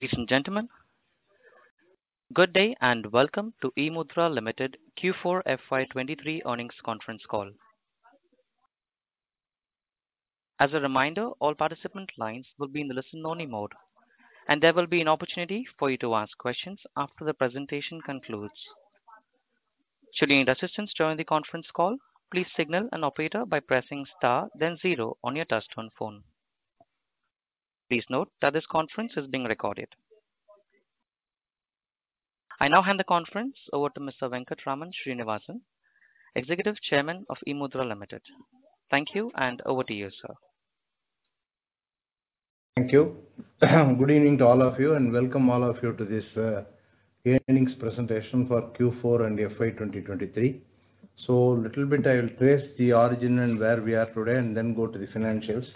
Ladies and gentlemen, good day and welcome to eMudhra Limited Q4 FY23 Earnings Conference Call. As a reminder, all participant lines will be in the listen-only mode, and there will be an opportunity for you to ask questions after the presentation concludes. Should you need assistance during the conference call, please signal an operator by pressing star then zero on your touchtone phone. Please note that this conference is being recorded. I now hand the conference over to Mr. Venkatraman Srinivasan, Executive Chairman of eMudhra Limited. Thank you. Over to you, sir. Thank you. Good evening to all of you, and welcome all of you to this earnings presentation for Q4 and FY 2023. Little bit I will trace the origin and where we are today and then go to the financials.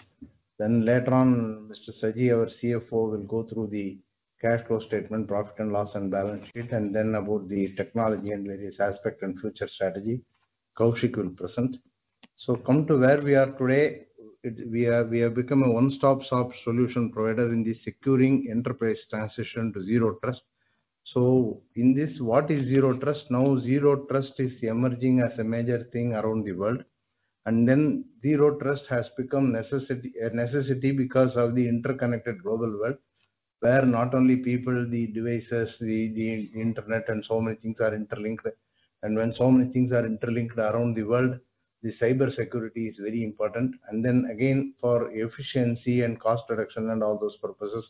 Later on, Mr. Saji, our CFO, will go through the cash flow statement, profit and loss, and balance sheet, and then about the technology and various aspect and future strategy Kaushik will present. Come to where we are today. We have become a one-stop shop solution provider in the securing enterprise transition to Zero Trust. In this, what is Zero Trust? Zero Trust is emerging as a major thing around the world. Zero Trust has become necessity, a necessity because of the interconnected global world, where not only people, the devices, the internet and so many things are interlinked. When so many things are interlinked around the world, the cybersecurity is very important. Again, for efficiency and cost reduction and all those purposes,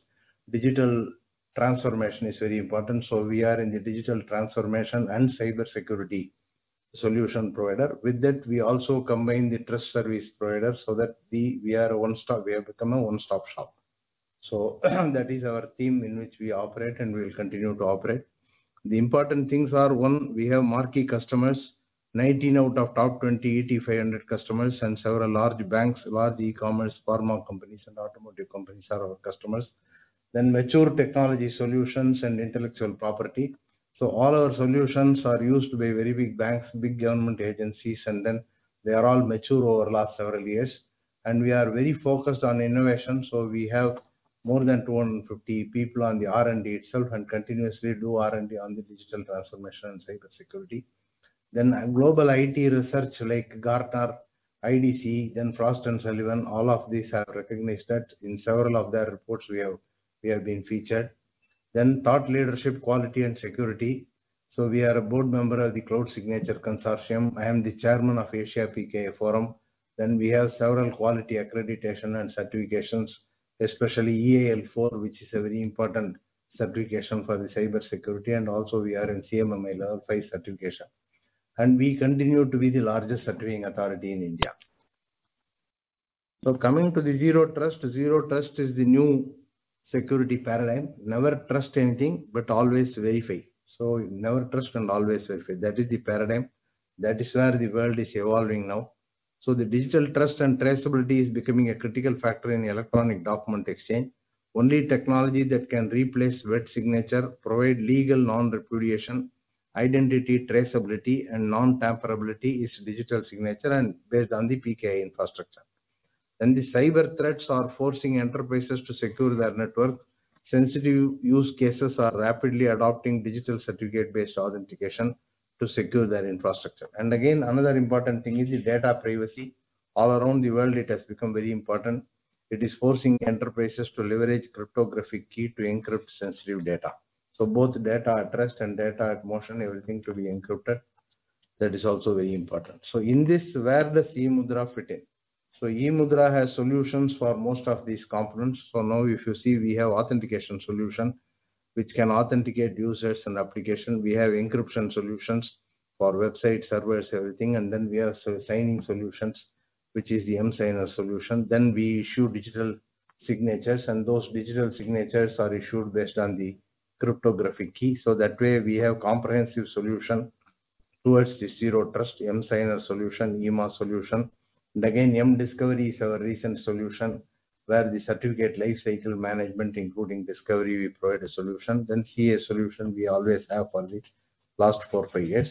digital transformation is very important. We are in the digital transformation and cybersecurity solution provider. With that, we also combine the trust service provider so that we are a one-stop shop. That is our theme in which we operate and we'll continue to operate. The important things are, one, we have marquee customers, 19 out of top 20 ET 500 customers and several large banks, large e-commerce, pharma companies and automotive companies are our customers. Mature technology solutions and intellectual property. All our solutions are used by very big banks, big government agencies, and then they are all mature over last several years. We are very focused on innovation, so we have more than 250 people on the R&D itself and continuously do R&D on the digital transformation and cybersecurity. Global IT research like Gartner, IDC, then Frost & Sullivan, all of these have recognized that. In several of their reports we have been featured. Thought leadership, quality and security. We are a board member of the Cloud Signature Consortium. I am the Chairman of Asia PKI Forum. We have several quality accreditation and certifications, especially EAL4+, which is a very important certification for the cybersecurity. Also we are in CMMI Level 5 certification. We continue to be the largest certifying authority in India. Coming to the Zero Trust. the Zero Trust is the new security paradigm. Never trust anything but always verify. Never trust and always verify. That is the paradigm. That is where the world is evolving now. The digital trust and traceability is becoming a critical factor in electronic document exchange. Only technology that can replace wet signature provide legal non-repudiation, identity traceability and non-tamperability is digital signature and based on the PKI infrastructure. The cyber threats are forcing enterprises to secure their network. Sensitive use cases are rapidly adopting digital certificate-based authentication to secure their infrastructure. Again, another important thing is the data privacy. All around the world it has become very important. It is forcing enterprises to leverage cryptographic key to encrypt sensitive data. Both data at rest and data at motion, everything to be encrypted. That is also very important. In this, where does eMudhra fit in? eMudhra has solutions for most of these components. Now if you see, we have authentication solution, which can authenticate users and application. We have encryption solutions for website, servers, everything. We have signing solutions, which is the emSigner solution. We issue digital signatures, and those digital signatures are issued based on the cryptographic key. That way we have comprehensive solution towards the Zero Trust, emSigner solution, emAS solution. Again, emDiscovery is our recent solution, where the certificate lifecycle management, including discovery, we provide a solution. CA solution we always have for the last four, five years.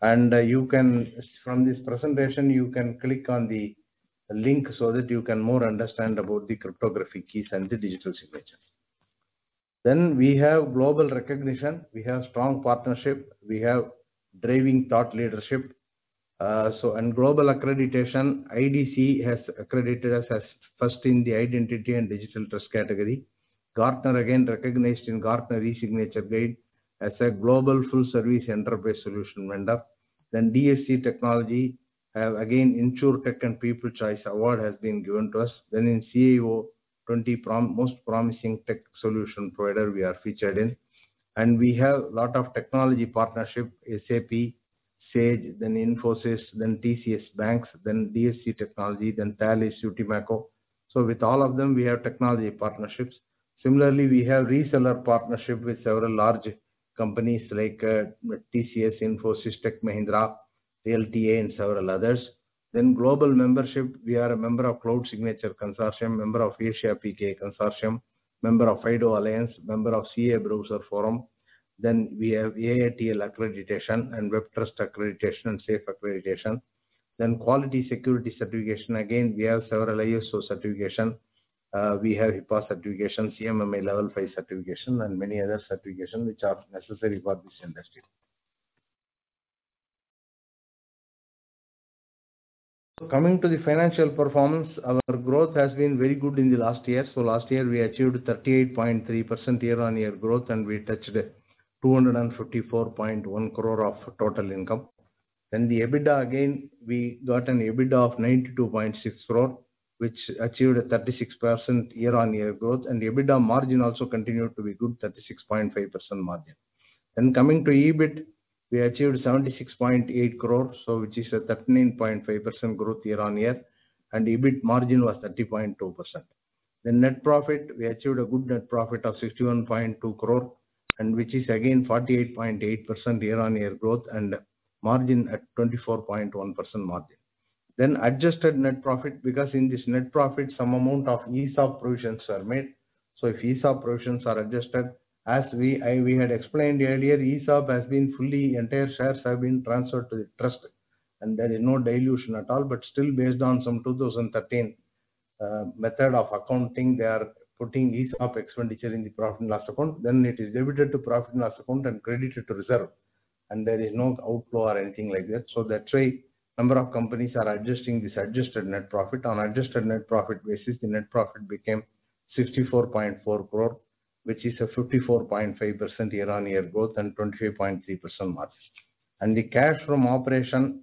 From this presentation, you can click on the link so that you can more understand about the cryptographic keys and the digital signatures. We have global recognition. We have strong partnership. We have driving thought leadership. Global accreditation, IDC has accredited us as first in the identity and digital trust category. Gartner again recognized in Gartner eSignature Guide as a Global Full Service Enterprise Solution Provider. DSC Technology have again InsurTech and People Choice Award has been given to us. In CEO 20 Most Promising Tech Solution Provider we are featured in. We have lot of technology partnership, SAP, Sage, then Infosys, then TCS BaNCS, then DSC Technology, then Thales, Utimaco. With all of them we have technology partnerships. Similarly, we have reseller partnership with several large companies like TCS, Infosys, Tech Mahindra, LTI and several others. Global membership, we are a member of Cloud Signature Consortium, member of Asia PKI Consortium, member of FIDO Alliance, member of CA/Browser Forum. We have AATL accreditation and WebTrust accreditation and SAFE accreditation. Quality security certification, again, we have several ISO certification, we have HIPAA certification, CMMI Level 5 certification, and many other certification which are necessary for this industry. Coming to the financial performance, our growth has been very good in the last year. Last year we achieved 38.3% year-on-year growth and we touched 254.1 crore of total income. The EBITDA, again, we got an EBITDA of 92.6 crore, which achieved a 36% year-on-year growth, and the EBITDA margin also continued to be good, 36.5% margin. Coming to EBIT, we achieved 76.8 crore, which is a 13.5% growth year-on-year, and EBIT margin was 30.2%. The net profit, we achieved a good net profit of 61.2 crore, and which is again 48.8% year-on-year growth and margin at 24.1% margin. Adjusted net profit, because in this net profit, some amount of ESOP provisions are made. If ESOP provisions are adjusted, as we had explained earlier, entire shares have been transferred to the trust and there is no dilution at all. Still based on some 2013 method of accounting, they are putting ESOP expenditure in the profit and loss account. It is debited to profit and loss account and credited to reserve, and there is no outflow or anything like that. That's why number of companies are adjusting this adjusted net profit. On adjusted net profit basis, the net profit became 64.4 crore, which is a 54.5% year-over-year growth and 23.3% margin. The cash from operation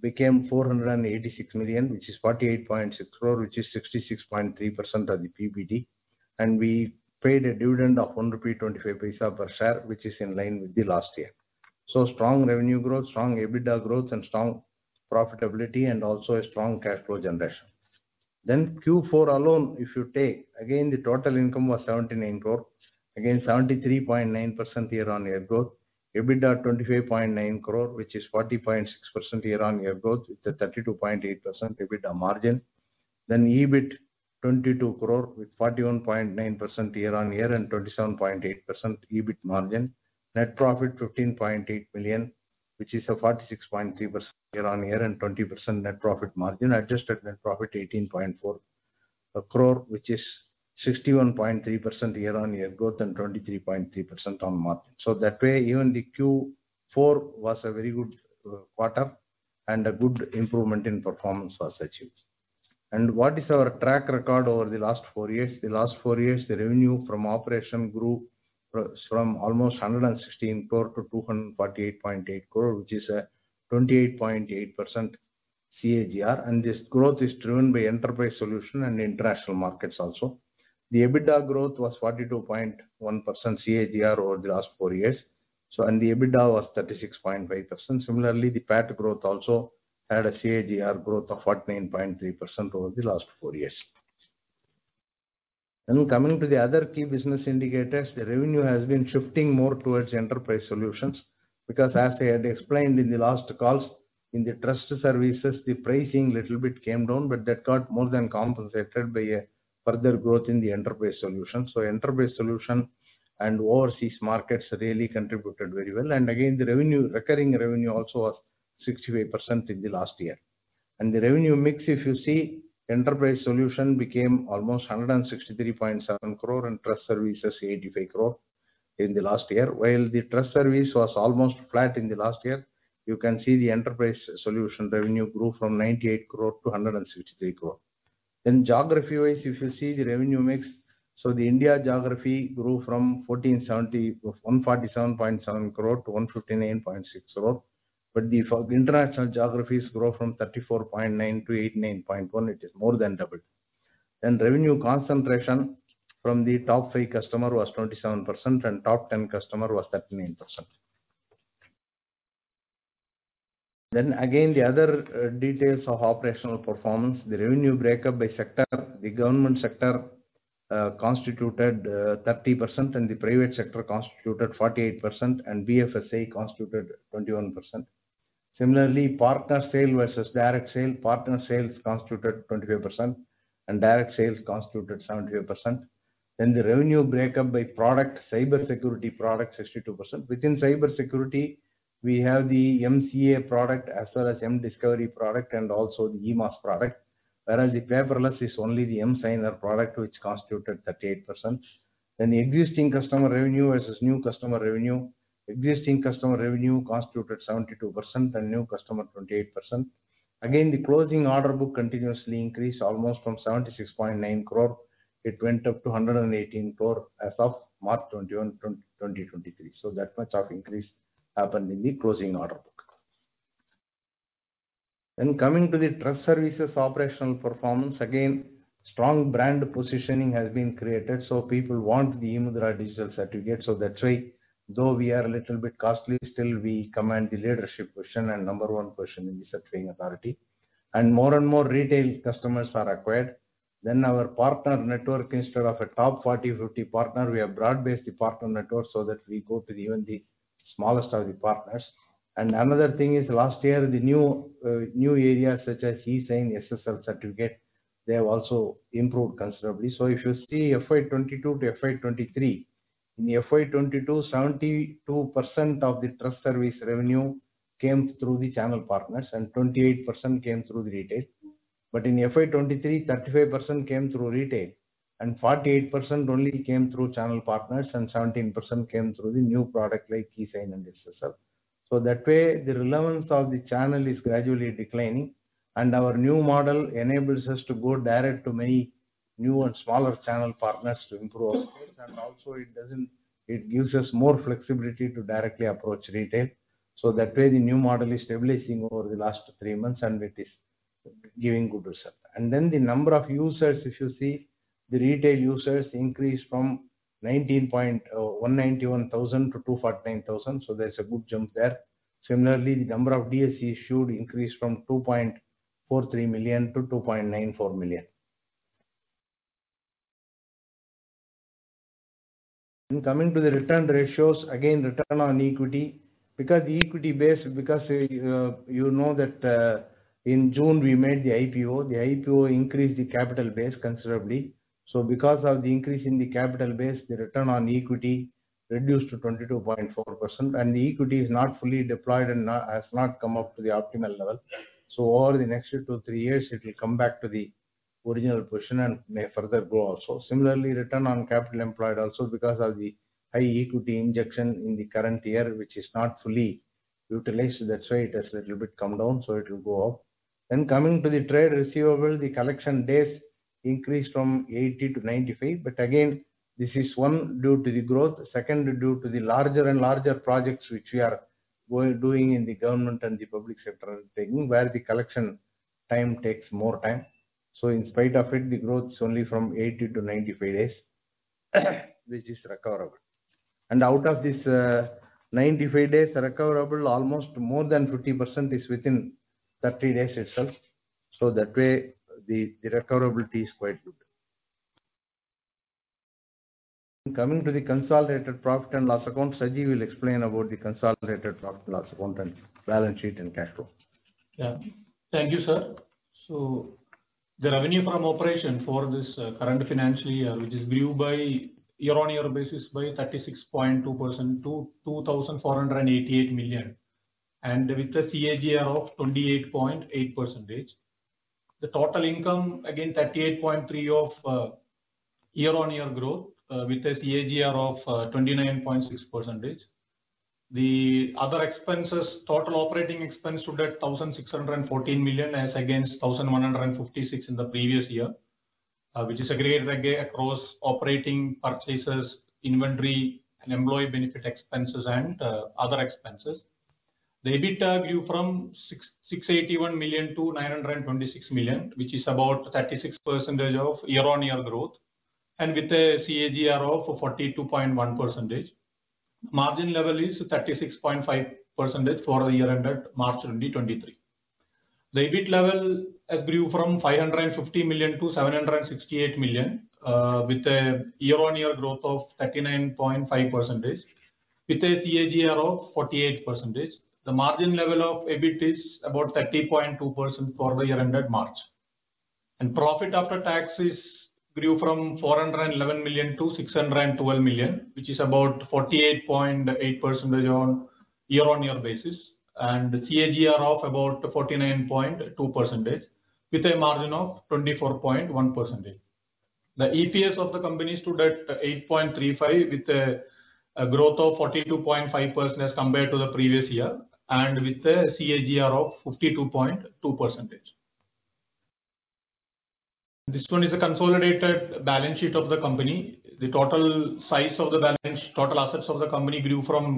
became 486 million, which is 48.6 crore, which is 66.3% of the PBT, and we paid a dividend of 1.25 rupee per share, which is in line with the last year. Strong revenue growth, strong EBITDA growth, and strong profitability, and also a strong cash flow generation. Q4 alone, if you take, again the total income was 79 crore. Again, 73.9% year-over-year growth. EBITDA, 25.9 crore, which is 40.6% year-over-year growth with a 32.8% EBITDA margin. EBIT, 22 crore with 41.9% year-over-year and 27.8% EBIT margin. Net profit 15.8 million, which is a 46.3% year-on-year and 20% net profit margin. Adjusted net profit 18.4 crore, which is 61.3% year-on-year growth and 23.3% on margin. That way even the Q4 was a very good quarter and a good improvement in performance was achieved. What is our track record over the last four years? The last four years, the revenue from operation grew from almost 116 crore to 248.8 crore, which is 28.8% CAGR, and this growth is driven by enterprise solution and international markets also. The EBITDA growth was 42.1% CAGR over the last four years. The EBITDA was 36.5%. Similarly, the PAT growth also had a CAGR growth of 14.3% over the last four years. Coming to the other key business indicators, the revenue has been shifting more towards enterprise solutions because as I had explained in the last calls, Trust Services the pricing little bit came down but that got more than compensated by a further growth in the enterprise solution. Enterprise solution and overseas markets really contributed very well. Again, the revenue, recurring revenue also was 65% in the last year. The revenue mix if you see, enterprise solution became almost 163.7 Trust Services inr 85 crore in the last year. While the trust service was almost flat in the last year, you can see the enterprise solution revenue grew from 98 crore to 163 crore. Geography-wise, if you see the revenue mix, the India geography grew from 147.7 crore to 159.6 crore. The international geographies grow from 34.9 crore to 89.1 crore, it is more than doubled. Revenue concentration from the top 5 customer was 27% and top 10 customer was 39%. Again the other details of operational performance. The revenue break-up by sector, the government sector constituted 30% and the private sector constituted 48% and BFSI constituted 21%. Similarly, partner sale versus direct sale. Partner sales constituted 25% and direct sales constituted 75%. The revenue break-up by product, cybersecurity products 62%. Within cybersecurity we have the MCA product as well as emDiscovery product and also the emAS product. The paperless is only the emSigner product which constituted 38%. The existing customer revenue versus new customer revenue. Existing customer revenue constituted 72% and new customer 28%. The closing order book continuously increased almost from 76.9 crore it went up to 118 crore as of March 21, 2023. That much of increase happened in the closing order book. Coming Trust Services operational performance. Strong brand positioning has been created so people want the eMudhra digital certificate, so that's why though we are a little bit costly still we command the leadership position and number one position in the certifying authority. More and more retail customers are acquired. Our partner network, instead of a top 40 or 50 partner we have broad-based the partner network we go to even the smallest of the partners. Another thing is last year the new areas such as eSign, SSL certificate, they have also improved considerably. If you see FY 2022 to FY 2023. In FY 2022, 72% of the trust service revenue came through the channel partners and 28% came through the retail. In FY 2023, 35% came through retail and 48% only came through channel partners and 17% came through the new product like eSign and SSL. That way, the relevance of the channel is gradually declining, and our new model enables us to go direct to many new and smaller channel partners to improve our space. Also, it gives us more flexibility to directly approach retail. That way, the new model is stabilizing over the last 3 months and it is giving good result. The number of users, if you see, the retail users increased from 191,000 to 249,000. There's a good jump there. Similarly, the number of DS issued increased from 2.43 million to 2.94 million. Coming to the return ratios, again, return on equity, because equity base, because you know that in June we made the IPO. The IPO increased the capital base considerably. Because of the increase in the capital base, the return on equity reduced to 22.4%. The equity is not fully deployed and has not come up to the optimal level. Over the next two to three years, it will come back to the original position and may further grow also. Return on capital employed also because of the high equity injection in the current year, which is not fully utilized. That's why it has a little bit come down, so it will go up. Coming to the trade receivable, the collection days increased from 80 to 95. Again, this is one, due to the growth, second, due to the larger and larger projects which we are doing in the government and the public sector are taking, where the collection time takes more time. In spite of it, the growth is only from 80 to 95 days, which is recoverable. Out of this, 95 days recoverable, almost more than 50% is within 30 days itself. That way, the recoverability is quite good. Coming to the consolidated profit and loss account, Saji will explain about the consolidated profit and loss account and balance sheet and cash flow. Yeah. Thank you, sir. The revenue from operation for this current financial year, which is grew by year-on-year basis by 36.2% to 2,488 million. With a CAGR of 28.8%. The total income, again, 38.3% year-on-year growth, with a CAGR of 29.6%. The other expenses, total operating expense stood at 1,614 million as against 1,156 million in the previous year, which is aggregated across operating purchases, inventory and employee benefit expenses and other expenses. The EBITDA grew from 681 million to 926 million, which is about 36% of year-on-year growth and with a CAGR of 42.1%. Margin level is 36.5% for the year ended March 2023. The EBIT level has grew from 550 million to 768 million, with a year-on-year growth of 39.5% with a CAGR of 48%. The margin level of EBIT is about 30.2% for the year ended March. Profit after tax is grew from 411 million to 612 million, which is about 48.8% on year-on-year basis, and CAGR of about 49.2% with a margin of 24.1%. The EPS of the company stood at 8.35 with a growth of 42.5% as compared to the previous year and with a CAGR of 52.2%. This one is a consolidated balance sheet of the company. The total size of the balance, total assets of the company grew from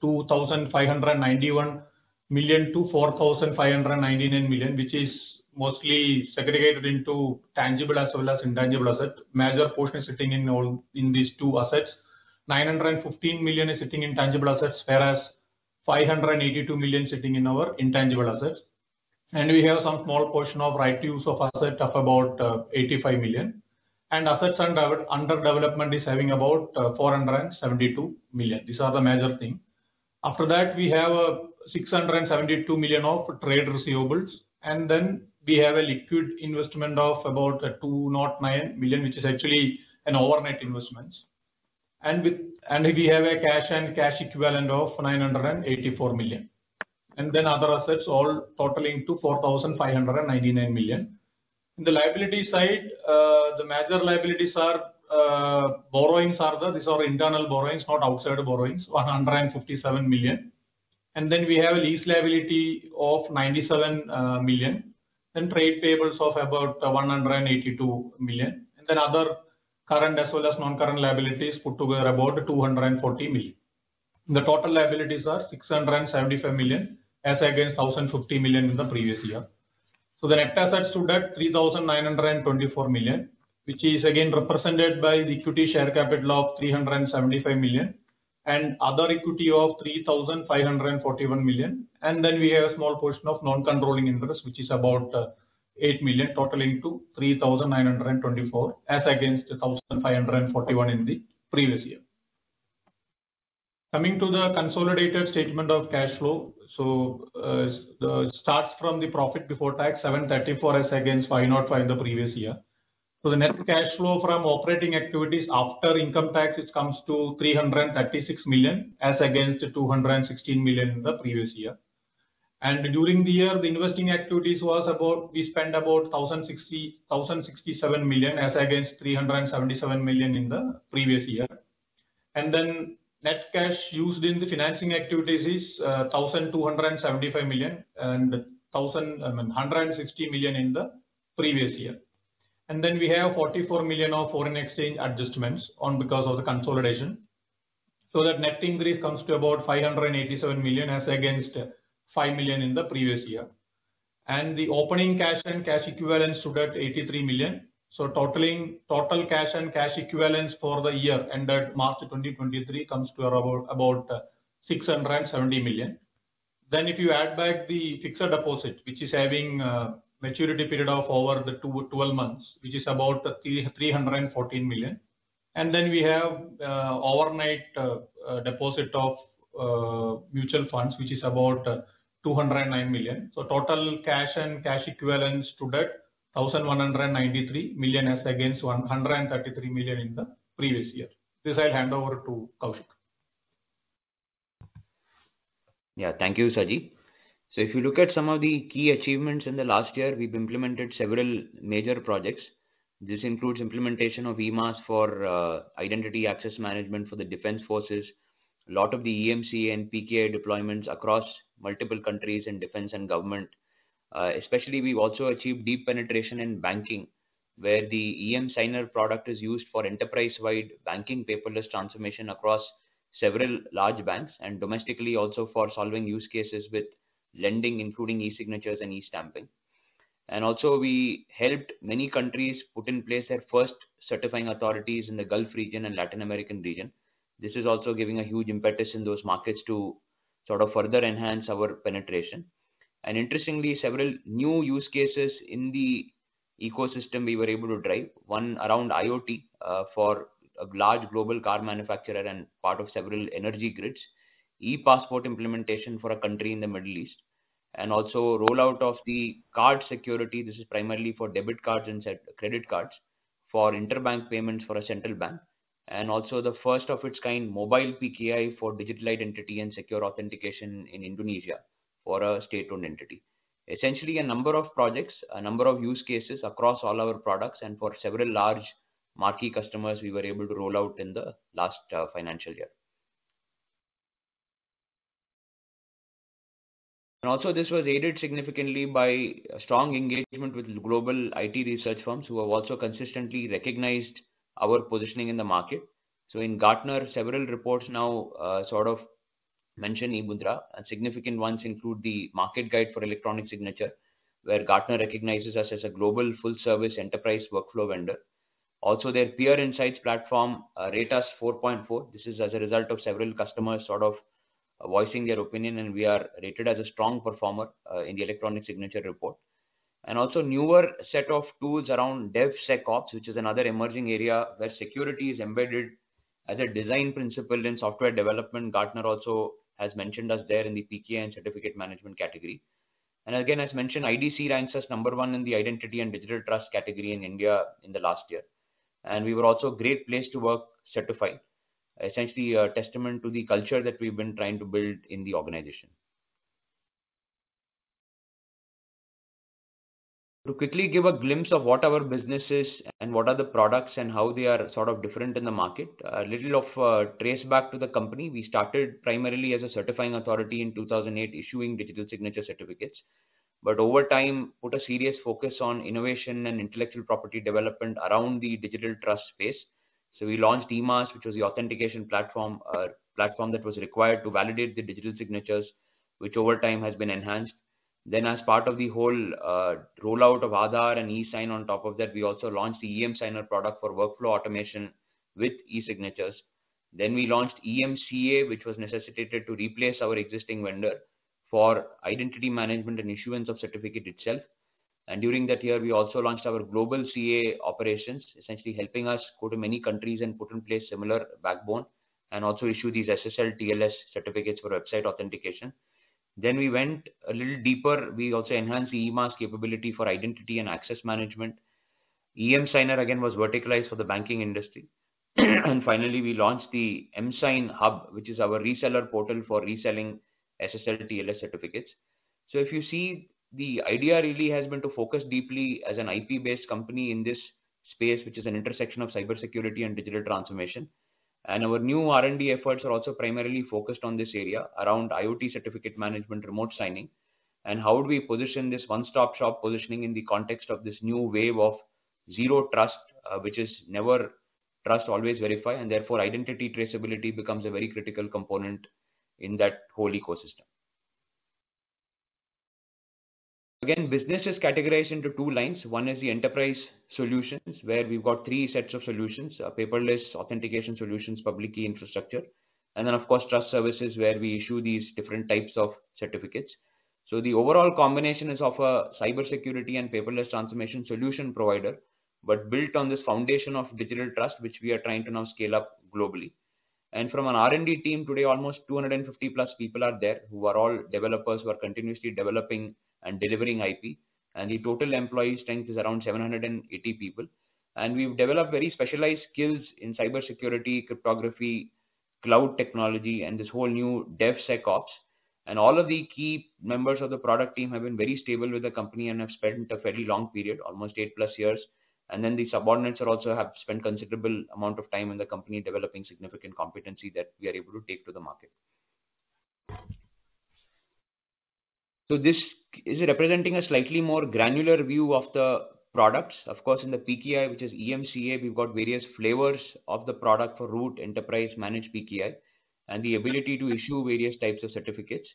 2,591 million to 4,599 million, which is mostly segregated into tangible as well as intangible assets. Major portion is sitting in these two assets. 915 million is sitting in tangible assets, whereas 582 million sitting in our intangible assets. We have some small portion of right to use of asset of about 85 million. Assets under development is having about 472 million. These are the major thing. After that, we have 672 million of trade receivables, we have a liquid investment of about 209 million, which is actually an overnight investment. We have a cash and cash equivalent of 984 million. Other assets all totaling to 4,599 million. In the liability side, the major liabilities are borrowings, these are internal borrowings, not outside borrowings, 157 million. We have a lease liability of 97 million, then trade payables of about 182 million. Other current as well as non-current liabilities put together about 240 million. The total liabilities are 675 million as against 1,050 million in the previous year. The net assets stood at 3,924 million, which is again represented by the equity share capital of 375 million and other equity of 3,541 million. We have a small portion of non-controlling interest, which is about 8 million totaling to 3,924 as against 1,541 in the previous year. Coming to the consolidated statement of cash flow. starts from the profit before tax 734 as against 505 the previous year. The net cash flow from operating activities after income tax, it comes to 336 million as against 216 million the previous year. During the year, the investing activities was about, we spent about 1,067 million as against 377 million in the previous year. Net cash used in the financing activities is 1,275 million and 1,160 million in the previous year. We have 44 million of foreign exchange adjustments on because of the consolidation. That net increase comes to about 587 million as against 5 million in the previous year. The opening cash and cash equivalents stood at 83 million. Totaling total cash and cash equivalents for the year ended March 2023 comes to about 670 million. If you add back the fixed deposit, which is having maturity period of over 12 months, which is about 314 million. We have overnight deposit of mutual funds, which is about 209 million. Total cash and cash equivalents stood at 1,193 million as against 133 million in the previous year. This I'll hand over to Kaushik. Yeah. Thank you, Saji. If you look at some of the key achievements in the last year, we've implemented several major projects. This includes implementation of emAS for identity access management for the defense forces. A lot of the emCA and PKI deployments across multiple countries in defense and government. Especially we've also achieved deep penetration in banking, where the emSigner product is used for enterprise-wide banking paperless transformation across several large banks, and domestically also for solving use cases with lending, including e-signatures and e-stamping. Also we helped many countries put in place their first certifying authorities in the Gulf region and Latin American region. This is also giving a huge impetus in those markets to sort of further enhance our penetration. Interestingly, several new use cases in the ecosystem we were able to drive. One around IoT for a large global car manufacturer and part of several energy grids. ePassport implementation for a country in the Middle East. Rollout of the card security. This is primarily for debit cards and credit cards for interbank payments for a central bank. The first of its kind, mobile PKI for digital identity and secure authentication in Indonesia for a state-owned entity. Essentially a number of projects, a number of use cases across all our products and for several large marquee customers we were able to roll out in the last financial year. This was aided significantly by strong engagement with global IT research firms who have also consistently recognized our positioning in the market. In Gartner, several reports now sort of mention eMudhra, and significant ones include the Market Guide for Electronic Signature, where Gartner recognizes us as a global full-service enterprise workflow vendor. Their Gartner Peer Insights platform rate us 4.4. This is as a result of several customers sort of voicing their opinion, and we are rated as a strong performer in the electronic signature report. Newer set of tools around DevSecOps, which is another emerging area where security is embedded as a design principle in software development. Gartner also has mentioned us there in the PKI and certificate management category. As mentioned, IDC ranks us number one in the identity and digital trust category in India in the last year. We were also Great Place to Work certified. Essentially a testament to the culture that we've been trying to build in the organization. To quickly give a glimpse of what our business is and what are the products and how they are sort of different in the market. A little of a trace back to the company. We started primarily as a certifying authority in 2008, issuing digital signature certificates. Over time, put a serious focus on innovation and intellectual property development around the digital trust space. We launched emAS, which was the authentication platform that was required to validate the digital signatures, which over time has been enhanced. As part of the whole rollout of Aadhaar and eSign on top of that, we also launched the emSigner product for workflow automation with e-signatures. We launched emCA, which was necessitated to replace our existing vendor for identity management and issuance of certificate itself. During that year, we also launched our global CA operations, essentially helping us go to many countries and put in place similar backbone and also issue these SSL/TLS certificates for website authentication. We went a little deeper. We also enhanced the emAS capability for identity and access management. emSigner again was verticalized for the banking industry. Finally we launched the emSign Hub, which is our reseller portal for reselling SSL/TLS certificates. If you see, the idea really has been to focus deeply as an IP-based company in this space, which is an intersection of cybersecurity and digital transformation. Our new R&D efforts are also primarily focused on this area around IoT certificate management, remote signing, and how would we position this one-stop shop positioning in the context of this new wave of Zero Trust, which is never trust, always verify, and therefore identity traceability becomes a very critical component in that whole ecosystem. Business is categorized into two lines. One is the enterprise solutions, where we've got three sets of solutions, Paperless Authentication Solutions, Public Key Infrastructure, and then Trust Services, where we issue these different types of certificates. The overall combination is of a cybersecurity and paperless transformation solution provider, but built on this foundation of digital trust, which we are trying to now scale up globally. From an R&D team, today, almost 250+ people are there who are all developers who are continuously developing and delivering IP. The total employee strength is around 780 people. We've developed very specialized skills in cybersecurity, cryptography, cloud technology, and this whole new DevSecOps. All of the key members of the product team have been very stable with the company and have spent a fairly long period, almost eight-plus years. Then the subordinates are also have spent considerable amount of time in the company developing significant competency that we are able to take to the market. This is representing a slightly more granular view of the products. Of course, in the PKI, which is emCA, we've got various flavors of the product for root, enterprise, managed PKI, and the ability to issue various types of certificates.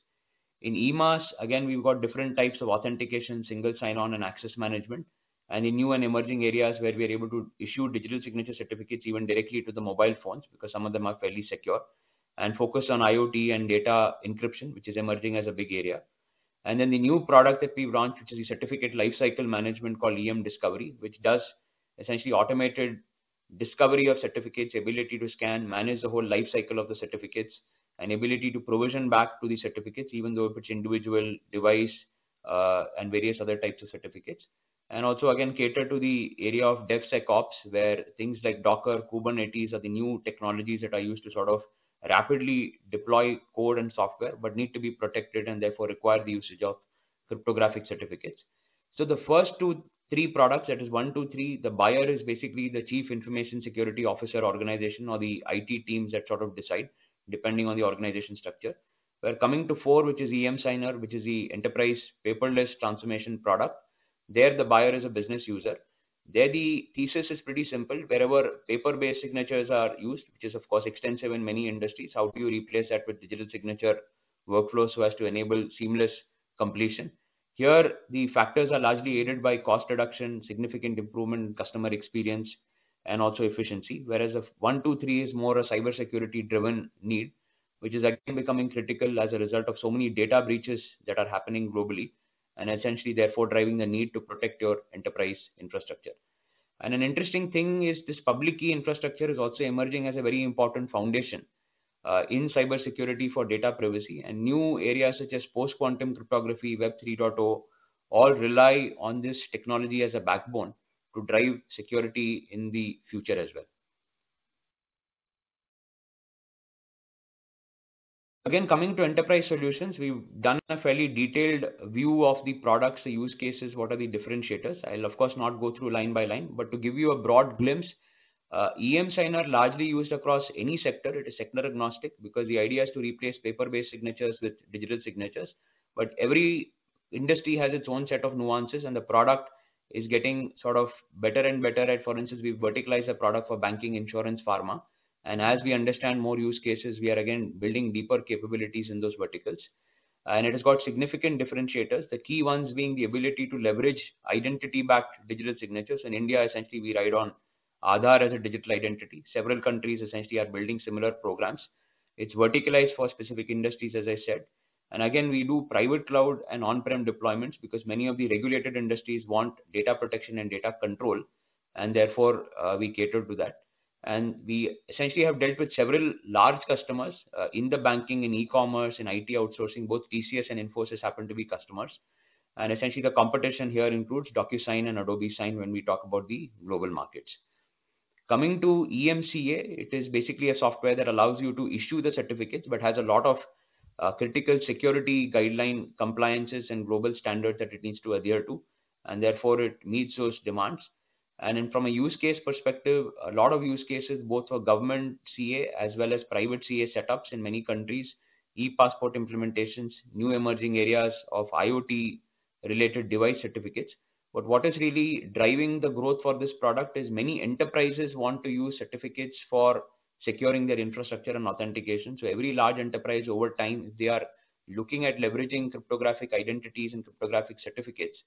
In emAS, again, we've got different types of authentication, single sign-on, and access management. In new and emerging areas where we are able to issue digital signature certificates even directly to the mobile phones, because some of them are fairly secure, and focus on IoT and data encryption, which is emerging as a big area. The new product that we've launched, which is a certificate lifecycle management called emDiscovery, which does essentially automated discovery of certificates, ability to scan, manage the whole lifecycle of the certificates, and ability to provision back to the certificates, even though if it's individual device, and various other types of certificates. Also, again, cater to the area of DevSecOps, where things like Docker, Kubernetes are the new technologies that are used to sort of rapidly deploy code and software, but need to be protected and therefore require the usage of cryptographic certificates. The first two, three products, that is one, two, three, the buyer is basically the chief information security officer organization or the IT teams that sort of decide depending on the organization structure. Where coming to four, which is emSigner, which is the enterprise paperless transformation product. There, the buyer is a business user. There the thesis is pretty simple. Wherever paper-based signatures are used, which is of course extensive in many industries, how do you replace that with digital signature workflows so as to enable seamless completion? Here, the factors are largely aided by cost reduction, significant improvement in customer experience, and also efficiency. If one, two, three is more a cybersecurity-driven need, which is again becoming critical as a result of so many data breaches that are happening globally, essentially therefore driving the need to protect your enterprise infrastructure. An interesting thing is this public key infrastructure is also emerging as a very important foundation in cybersecurity for data privacy. New areas such as post-quantum cryptography, Web 3.0, all rely on this technology as a backbone to drive security in the future as well. Coming to enterprise solutions, we've done a fairly detailed view of the products, the use cases, what are the differentiators. I'll of course not go through line by line, but to give you a broad glimpse, emSigner largely used across any sector. It is sector agnostic because the idea is to replace paper-based signatures with digital signatures. Every industry has its own set of nuances, and the product is getting sort of better and better. At, for instance, we verticalize a product for banking, insurance, pharma, and as we understand more use cases, we are again building deeper capabilities in those verticals. It has got significant differentiators, the key ones being the ability to leverage identity-backed digital signatures. In India, essentially, we ride on Aadhaar as a digital identity. Several countries essentially are building similar programs. It's verticalized for specific industries, as I said. Again, we do private cloud and on-prem deployments because many of the regulated industries want data protection and data control, and therefore, we cater to that. We essentially have dealt with several large customers in the banking, in e-commerce, in IT outsourcing. Both TCS and Infosys happen to be customers. Essentially the competition here includes DocuSign and Adobe Sign when we talk about the global markets. Coming to emCA, it is basically a software that allows you to issue the certificates but has a lot of critical security guideline compliances and global standards that it needs to adhere to, therefore it meets those demands. From a use case perspective, a lot of use cases both for government CA as well as private CA setups in many countries, ePassport implementations, new emerging areas of IoT-related device certificates. What is really driving the growth for this product is many enterprises want to use certificates for securing their infrastructure and authentication. Every large enterprise over time, they are looking at leveraging cryptographic identities and cryptographic certificates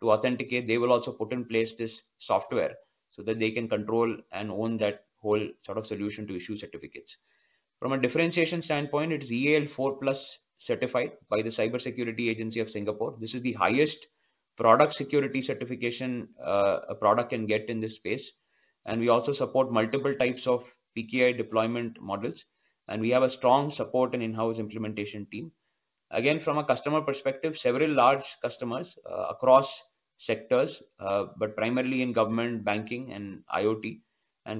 to authenticate. They will also put in place this software so that they can control and own that whole sort of solution to issue certificates. From a differentiation standpoint, it is EAL4+ certified by the Cybersecurity Agency of Singapore. This is the highest product security certification, a product can get in this space. We also support multiple types of PKI deployment models, and we have a strong support and in-house implementation team. Again, from a customer perspective, several large customers, across sectors, but primarily in government, banking, and IoT.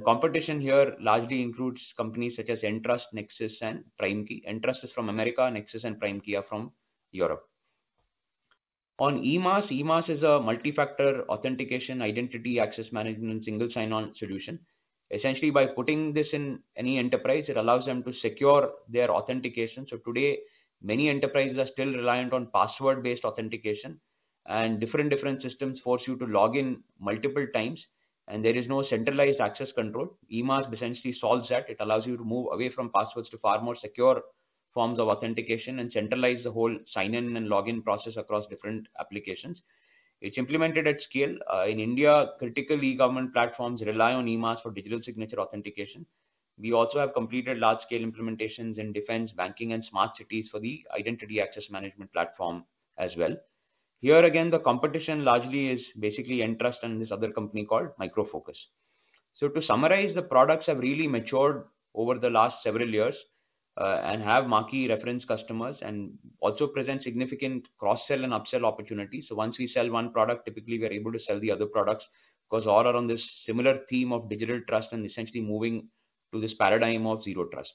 Competition here largely includes companies such as Entrust, Nexus, and PrimeKey. Entrust is from America. Nexus and PrimeKey are from Europe. On emAS is a multi-factor authentication identity access management single sign-on solution. Essentially, by putting this in any enterprise, it allows them to secure their authentication. Today, many enterprises are still reliant on password-based authentication, and different systems force you to log in multiple times, and there is no centralized access control. emAS essentially solves that. It allows you to move away from passwords to far more secure forms of authentication and centralize the whole sign-in and login process across different applications. It's implemented at scale. In India, critically, government platforms rely on emAS for digital signature authentication. We also have completed large-scale implementations in defense, banking, and smart cities for the identity access management platform as well. Here again, the competition largely is basically Entrust and this other company called Micro Focus. To summarize, the products have really matured over the last several years, and have marquee reference customers and also present significant cross-sell and upsell opportunities. Once we sell one product, typically we are able to sell the other products because all are on this similar theme of digital trust and essentially moving to this paradigm of Zero Trust.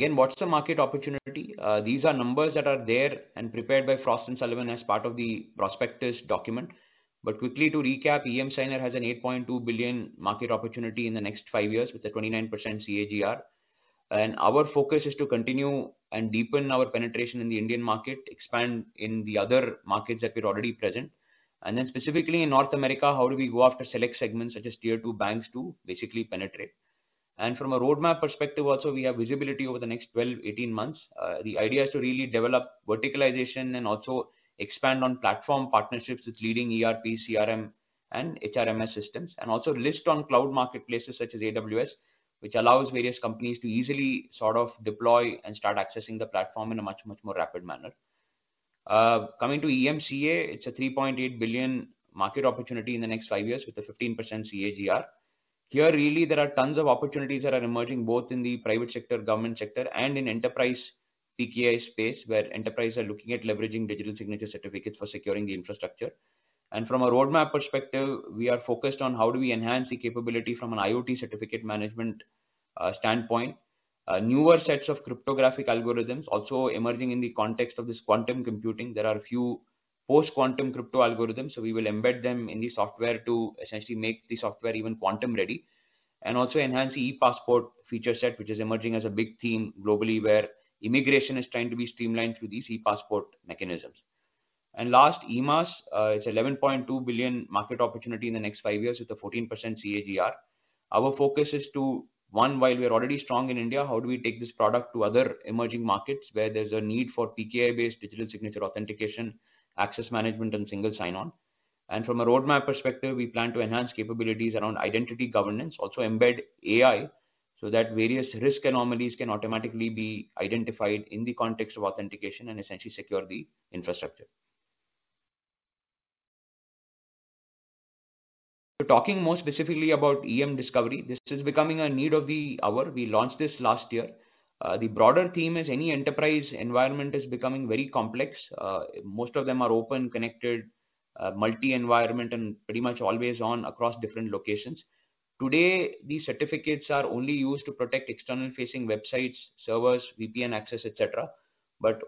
What's the market opportunity? These are numbers that are there and prepared by Frost & Sullivan as part of the prospectus document. Quickly to recap, emSigner has an $8.2 billion market opportunity in the next five years with a 29% CAGR. Our focus is to continue and deepen our penetration in the Indian market, expand in the other markets that we're already present. Then specifically in North America, how do we go after select segments such as tier two banks to basically penetrate. From a roadmap perspective also, we have visibility over the next 12 to 18 months. The idea is to really develop verticalization and also expand on platform partnerships with leading ERP, CRM and HRMS systems. Also list on cloud marketplaces such as AWS, which allows various companies to easily sort of deploy and start accessing the platform in a much, much more rapid manner. Coming to emCA, it's a $3.8 billion market opportunity in the next five years with a 15% CAGR. Here, really, there are tons of opportunities that are emerging both in the private sector, government sector, and in enterprise PKI space, where enterprise are looking at leveraging digital signature certificates for securing the infrastructure. From a roadmap perspective, we are focused on how do we enhance the capability from an IoT certificate management standpoint. Newer sets of cryptographic algorithms also emerging in the context of this quantum computing. There are a few post-quantum crypto algorithms, so we will embed them in the software to essentially make the software even quantum ready. Also enhance the ePassport feature set, which is emerging as a big theme globally, where immigration is trying to be streamlined through these ePassport mechanisms. Last, emAS, it's a $11.2 billion market opportunity in the next five years with a 14% CAGR. Our focus is to, one, while we are already strong in India, how do we take this product to other emerging markets where there's a need for PKI-based digital signature authentication, access management, and single sign-on. From a roadmap perspective, we plan to enhance capabilities around identity governance, also embed AI, so that various risk anomalies can automatically be identified in the context of authentication and essentially secure the infrastructure. Talking more specifically about emDiscovery, this is becoming a need of the hour. We launched this last year. The broader theme is any enterprise environment is becoming very complex. Most of them are open, connected, multi-environment, and pretty much always on across different locations. Today, these certificates are only used to protect external facing websites, servers, VPN access, et cetera.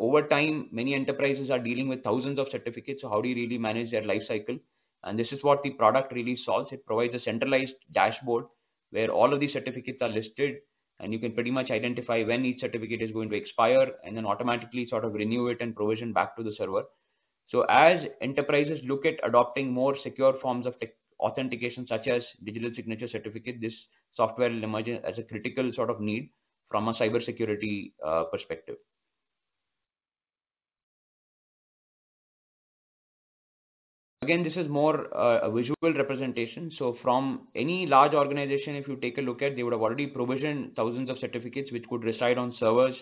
Over time, many enterprises are dealing with thousands of certificates, so how do you really manage their lifecycle? This is what the product really solves. It provides a centralized dashboard where all of these certificates are listed, and you can pretty much identify when each certificate is going to expire and then automatically sort of renew it and provision back to the server. As enterprises look at adopting more secure forms of authentication such as digital signature certificate, this software will emerge as a critical sort of need from a cybersecurity perspective. Again, this is more a visual representation. From any large organization, if you take a look at, they would have already provisioned thousands of certificates which could reside on servers,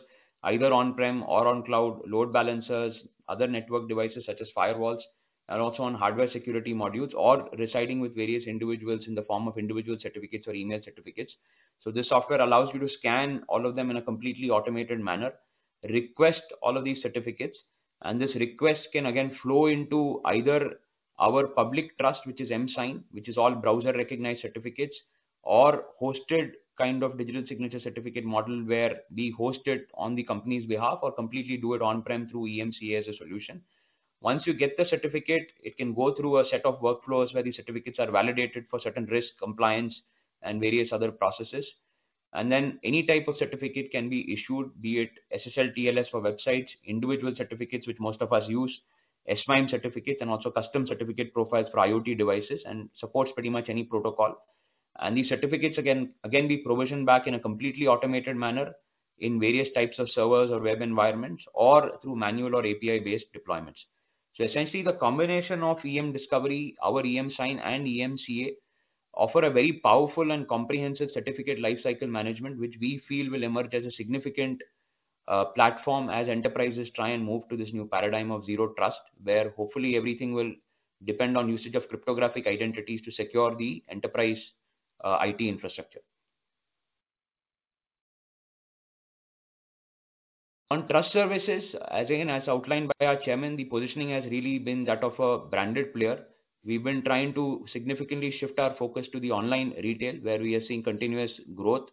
either on-prem or on cloud load balancers, other network devices such as firewalls, and also on hardware security modules or residing with various individuals in the form of individual certificates or email certificates. This software allows you to scan all of them in a completely automated manner, request all of these certificates, and this request can again flow into either our public trust, which is emSign, which is all browser-recognized certificates, or hosted kind of digital signature certificate model, where we host it on the company's behalf or completely do it on-prem through emCA as a solution. Once you get the certificate, it can go through a set of workflows where the certificates are validated for certain risk compliance and various other processes. Then any type of certificate can be issued, be it SSL, TLS for websites, individual certificates which most of us use, S/MIME certificates, and also custom certificate profiles for IoT devices and supports pretty much any protocol. These certificates again, we provision back in a completely automated manner in various types of servers or web environments or through manual or API-based deployments. Essentially the combination of emDiscovery, our emSign, and emCA offer a very powerful and comprehensive certificate lifecycle management, which we feel will emerge as a significant platform as enterprises try and move to this new paradigm of Zero Trust, where hopefully everything will depend on usage of cryptographic identities to secure the enterprise IT Trust Services, as again, as outlined by our chairman, the positioning has really been that of a branded player. We've been trying to significantly shift our focus to the online retail, where we are seeing continuous growth.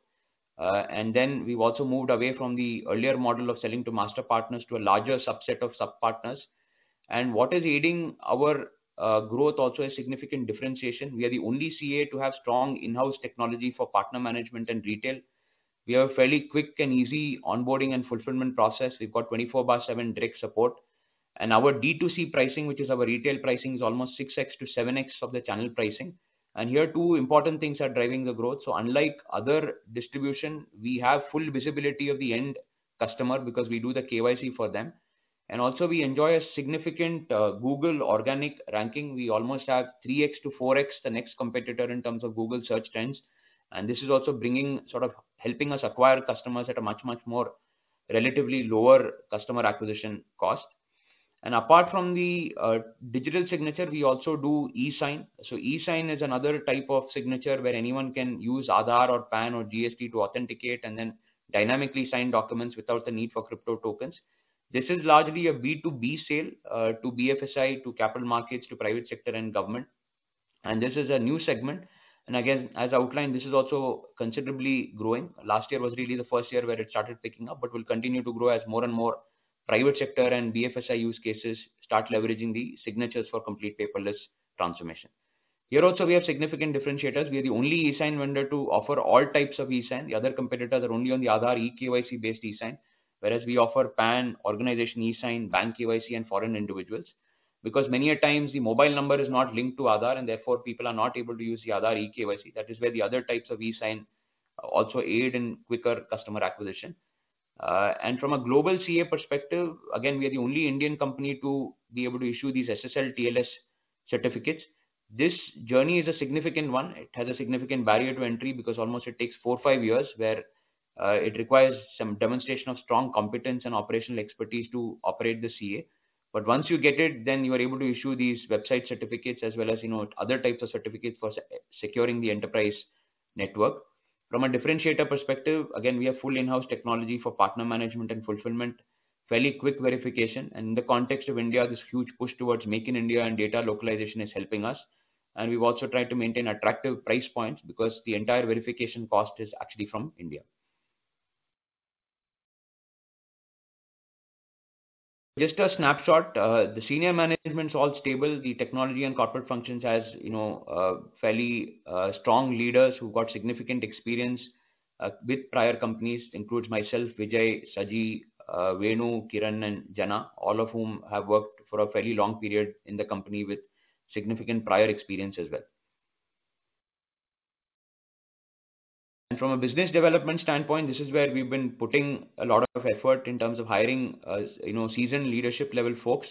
Then we've also moved away from the earlier model of selling to master partners to a larger subset of subpartners. What is aiding our growth also is significant differentiation. We are the only CA to have strong in-house technology for partner management and retail. We have a fairly quick and easy onboarding and fulfillment process. We've got 24/7 direct support. Our D2C pricing, which is our retail pricing, is almost 6x--7x of the channel pricing. Here, two important things are driving the growth. Unlike other distribution, we have full visibility of the end customer because we do the KYC for them. Also we enjoy a significant Google organic ranking. We almost have 3x-4x the next competitor in terms of Google search trends. This is also helping us acquire customers at a much more relatively lower customer acquisition cost. Apart from the digital signature, we also do eSign. eSign is another type of signature where anyone can use Aadhaar or PAN or GST to authenticate and then dynamically sign documents without the need for crypto tokens. This is largely a B2B sale to BFSI, to capital markets, to private sector and government. This is a new segment. Again, as outlined, this is also considerably growing. Last year was really the first year where it started picking up, but will continue to grow as more and more private sector and BFSI use cases start leveraging the signatures for complete paperless transformation. Here also, we have significant differentiators. We are the only eSign vendor to offer all types of eSign. The other competitors are only on the Aadhaar eKYC-based eSign, whereas we offer PAN, organization eSign, bank KYC, and foreign individuals. Many a times the mobile number is not linked to Aadhaar, and therefore people are not able to use the Aadhaar eKYC. That is where the other types of eSign also aid in quicker customer acquisition. From a global CA perspective, again, we are the only Indian company to be able to issue these SSL/TLS certificates. This journey is a significant one. It has a significant barrier to entry because almost it takes 4-5 years, where it requires some demonstration of strong competence and operational expertise to operate the CA. Once you get it, then you are able to issue these website certificates as well as, you know, other types of certificates for securing the enterprise network. From a differentiator perspective, again, we have full in-house technology for partner management and fulfillment, fairly quick verification. In the context of India, this huge push towards Make in India and data localization is helping us. We've also tried to maintain attractive price points because the entire verification cost is actually from India. Just a snapshot. The senior management's all stable. The technology and corporate functions has, you know, fairly strong leaders who've got significant experience with prior companies, includes myself, Vijay, Saji, Venu, Kiran, and Jana, all of whom have worked for a fairly long period in the company with significant prior experience as well. From a business development standpoint, this is where we've been putting a lot of effort in terms of hiring, you know, seasoned leadership-level folks.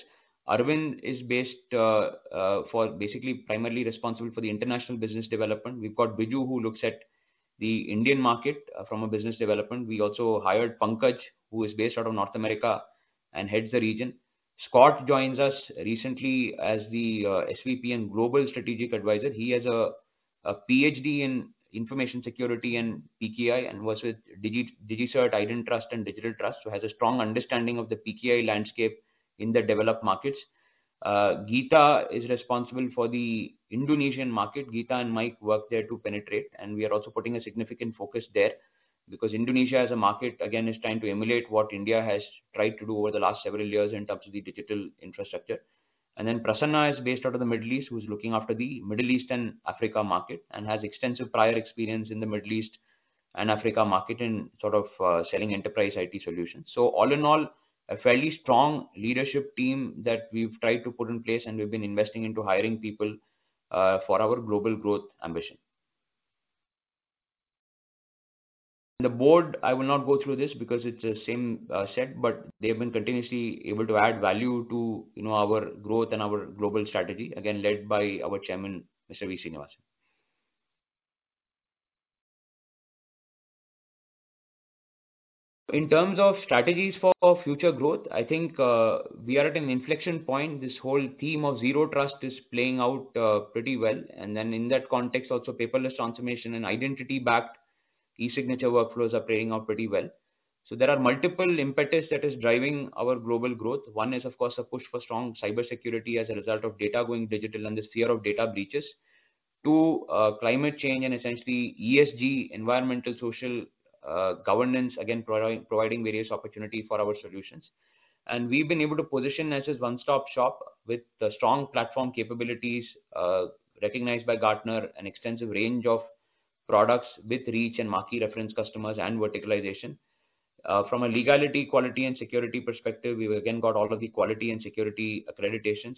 Arvind is based for basically primarily responsible for the international business development. We've got Biju, who looks at the Indian market from a business development. We also hired Pankaj, who is based out of North America and heads the region. Scott joins us recently as the SVP and Global Strategic Advisor. He has a PhD in information security and PKI and was with DigiCert, IdenTrust, and Digital Trust, so has a strong understanding of the PKI landscape in the developed markets. Geeta is responsible for the Indonesian market. Geeta and Mike work there to penetrate, and we are also putting a significant focus there because Indonesia as a market, again, is trying to emulate what India has tried to do over the last several years in terms of the digital infrastructure. Prasanna is based out of the Middle East, who's looking after the Middle East and Africa market and has extensive prior experience in the Middle East and Africa market in sort of selling enterprise IT solutions. All in all, a fairly strong leadership team that we've tried to put in place, and we've been investing into hiring people for our global growth ambition. The board, I will not go through this because it's the same set, but they have been continuously able to add value to, you know, our growth and our global strategy, again, led by our chairman, Mr. V. Srinivasan. In terms of strategies for future growth, we are at an inflection point. This whole theme of Zero Trust is playing out pretty well. In that context also, paperless transformation and identity-backed e-signature workflows are playing out pretty well. There are multiple impetus that is driving our global growth. One is, of course, a push for strong cybersecurity as a result of data going digital and this fear of data breaches. Two, climate change and essentially ESG, environmental, social, governance, again, providing various opportunity for our solutions. We've been able to position as this one-stop shop with the strong platform capabilities, recognized by Gartner, an extensive range of products with reach and marquee reference customers and verticalization. From a legality, quality, and security perspective, we've again got all of the quality and security accreditations,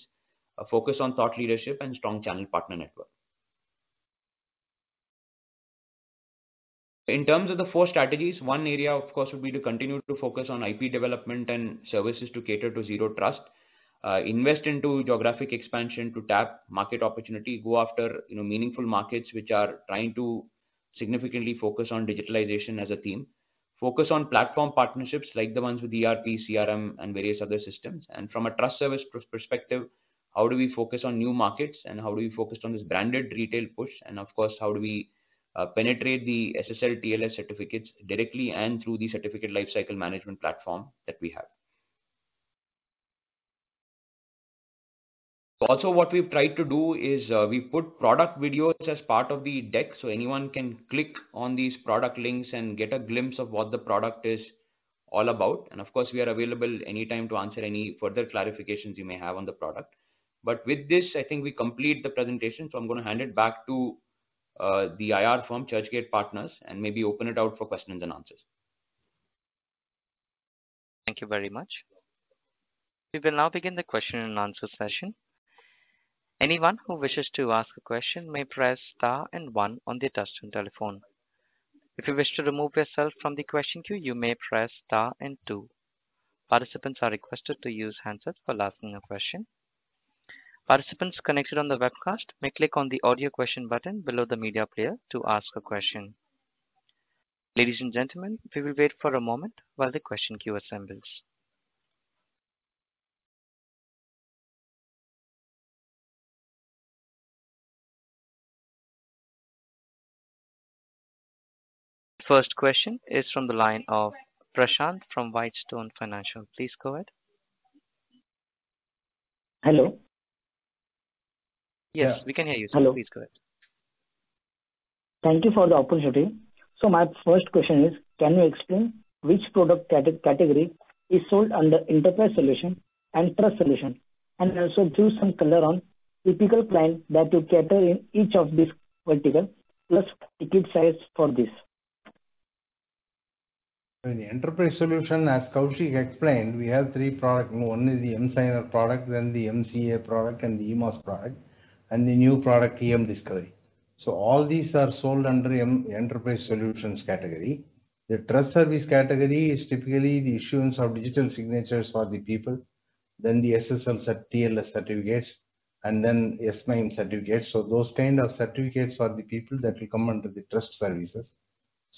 a focus on thought leadership and strong channel partner network. In terms of the four strategies, one area, of course, would be to continue to focus on IP development and services to cater to Zero Trust. Invest into geographic expansion to tap market opportunity, go after, you know, meaningful markets which are trying to significantly focus on digitalization as a theme. Focus on platform partnerships like the ones with ERP, CRM, and various other systems. From a trust service perspective, how do we focus on new markets and how do we focus on this branded retail push? Of course, how do we penetrate the SSL/TLS certificates directly and through the certificate lifecycle management platform that we have. Also what we've tried to do is, we've put product videos as part of the deck, so anyone can click on these product links and get a glimpse of what the product is all about. Of course, we are available anytime to answer any further clarifications you may have on the product. With this, I think we complete the presentation, so I'm gonna hand it back to the IR firm, Churchgate Partners, and maybe open it out for questions and answers. Thank you very much. We will now begin the question-and-answer session. Anyone who wishes to ask a question may press star and one on their touchtone telephone. If you wish to remove yourself from the question queue, you may press star and two. Participants are requested to use handsets for asking a question. Participants connected on the webcast may click on the audio question button below the media player to ask a question. Ladies and gentlemen, we will wait for a moment while the question queue assembles. First question is from the line of Prashant from Whitestone Financial. Please go ahead. Hello? Yes. Yeah. We can hear you, sir. Hello. Please go ahead. Thank you for the opportunity. My first question is, can you explain which product category is sold under enterprise solution and trust solution? Also throw some color on typical client that you cater in each of these vertical, plus ticket size for this? In the enterprise solution, as Kaushik explained, we have three product. One is the emSigner product, then the emCA product and the emAS product, and the new product, emDiscovery. All these are sold under em enterprise solutions category. The trust service category is typically the issuance of digital signatures for the people, then the SSL/TLS certificates, and then S/MIME certificates. Those kind of certificates for the people that will come Trust Services.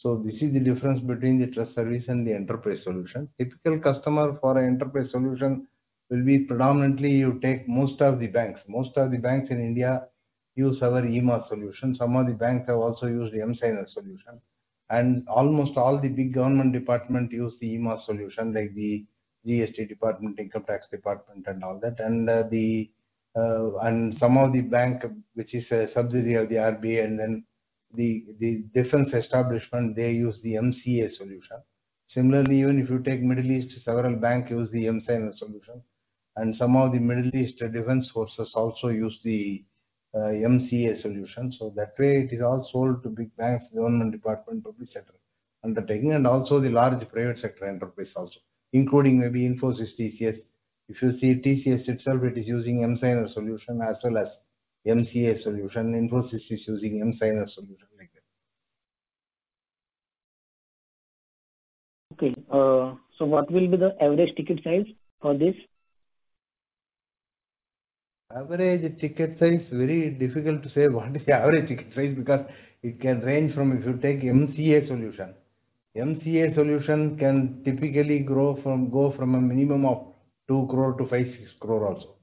this is the difference between the trust service and the enterprise solution. Typical customer for our enterprise solution will be predominantly you take most of the banks. Most of the banks in India use our emAS solution. Some of the banks have also used the emSigner solution. Almost all the big government department use the emAS solution, like the GST department, income tax department and all that. Some of the bank, which is a subsidiary of the RBI and then the defense establishment, they use the emCA solution. Similarly, even if you take Middle East, several bank use the emSigner solution, and some of the Middle East defense forces also use the emCA solution. That way it is all sold to big banks, government department, public sector. Also the large private sector enterprise also, including maybe Infosys, TCS. If you see TCS itself, it is using emSigner solution as well as emCA solution. Infosys is using emSigner solution like that. Okay. What will be the average ticket size for this? Average ticket size, very difficult to say what is the average ticket size because it can range from, if you take MCA solution. MCA solution can typically grow from, go from a minimum of 2 crore to 5 crore-6 crore also.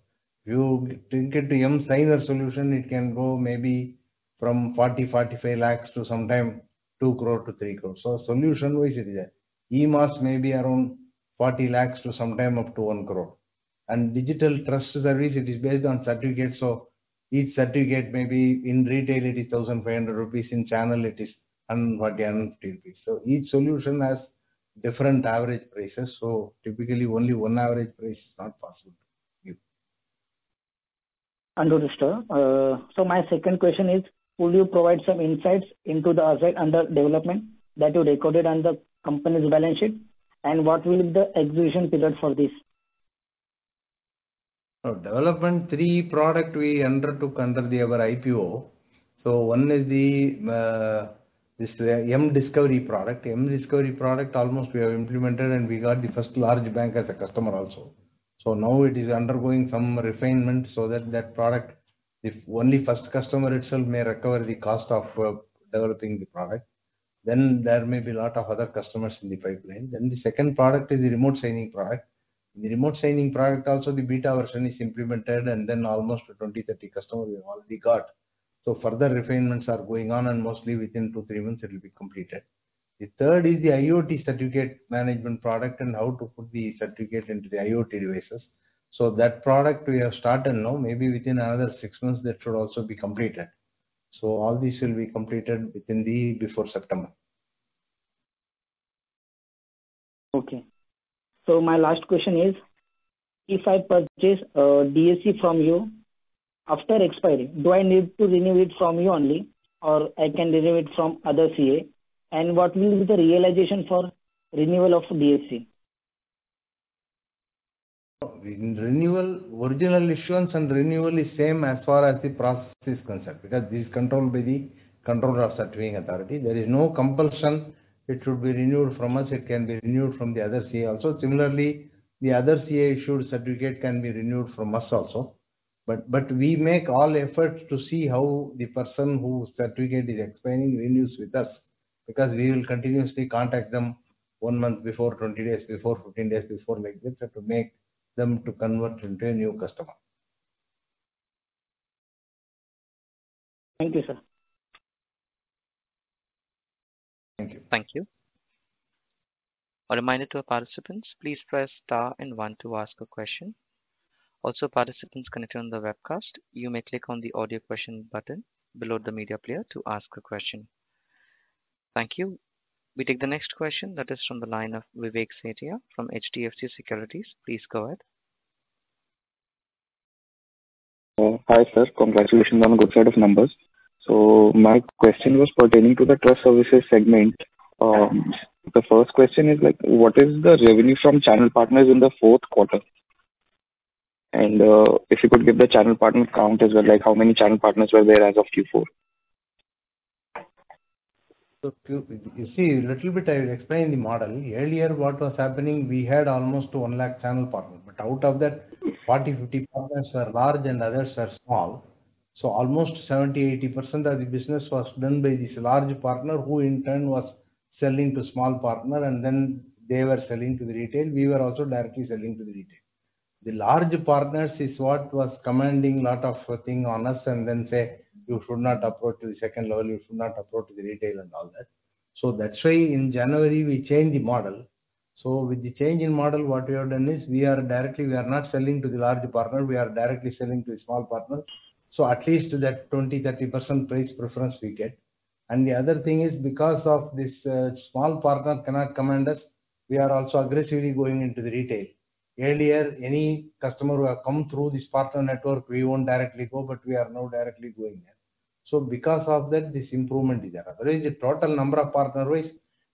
If you take it to emSigner solution, it can go maybe from 40 lakhs-45 lakhs to sometime 2 crore-3 crore. Solution wise it is there. emAS may be around 40 lakhs to sometime up to 1 crore. Digital trust service, it is based on certificates. Each certificate may be in retail it is 1,500 rupees. In channel it is INR 150. Each solution has different average prices. Typically only one average price is not possible to give. Understood, sir. My second question is, could you provide some insights into the asset under development that you recorded under company's balance sheet, and what will be the execution pillar for this? For development, three product we undertook under the our IPO. One is the this emDiscovery product. emDiscovery product almost we have implemented, and we got the first large bank as a customer also. Now it is undergoing some refinement so that product, if only first customer itself may recover the cost of developing the product. There may be lot of other customers in the pipeline. The second product is the remote signing product. The remote signing product also the beta version is implemented and then almost 20-30 customer we have already got. Further refinements are going on and mostly within two to three months it will be completed. The third is the IoT certificate management product and how to put the certificate into the IoT devices. That product we have started now, maybe within another six months that should also be completed. All this will be completed before September. Okay. My last question is, if I purchase a DSC from you, after expiry, do I need to renew it from you only or I can renew it from other CA? What will be the realization for renewal of the DSC? Renewal, original issuance and renewal is same as far as the process is concerned, because this is controlled by the Controller of Certifying Authorities. There is no compulsion it should be renewed from us. It can be renewed from the other CA also. Similarly, the other CA issued certificate can be renewed from us also. We make all efforts to see how the person whose certificate is expiring renews with us, because we will continuously contact them one month before, 20 days before, 15 days before, like this, to make them to convert into a new customer. Thank you, sir. Thank you. Thank you. A reminder to our participants, please press star and one to ask a question. Also, participants connected on the webcast, you may click on the audio question button below the media player to ask a question. Thank you. We take the next question that is from the line of Vivek Setia from HDFC Securities. Please go ahead. Hi, sir. Congratulations on good set of numbers. My question was pertaining Trust Services segment. the first question is, like, what is the revenue from channel partners in the fourth quarter? And if you could give the channel partner count as well, like how many channel partners were there as of Q4. You see, little bit I will explain the model. Earlier, what was happening, we had almost 1 lakh channel partner, but out of that, 40, 50 partners are large and others are small. Almost 70%-80% of the business was done by this large partner, who in turn was selling to small partner and then they were selling to the retail. We were also directly selling to the retail. The large partners is what was commanding lot of thing on us and then say, "You should not approach to the second level. You should not approach to the retail," and all that. That's why in January we changed the model. With the change in model, what we have done is we are directly, we are not selling to the large partner. We are directly selling to the small partner. At least that 20%-30% price preference we get. The other thing is, because of this, small partner cannot command us, we are also aggressively going into the retail. Earlier, any customer who have come through this partner network, we won't directly go, but we are now directly going there. Because of that, this improvement is there. Otherwise, the total number of partner-wise,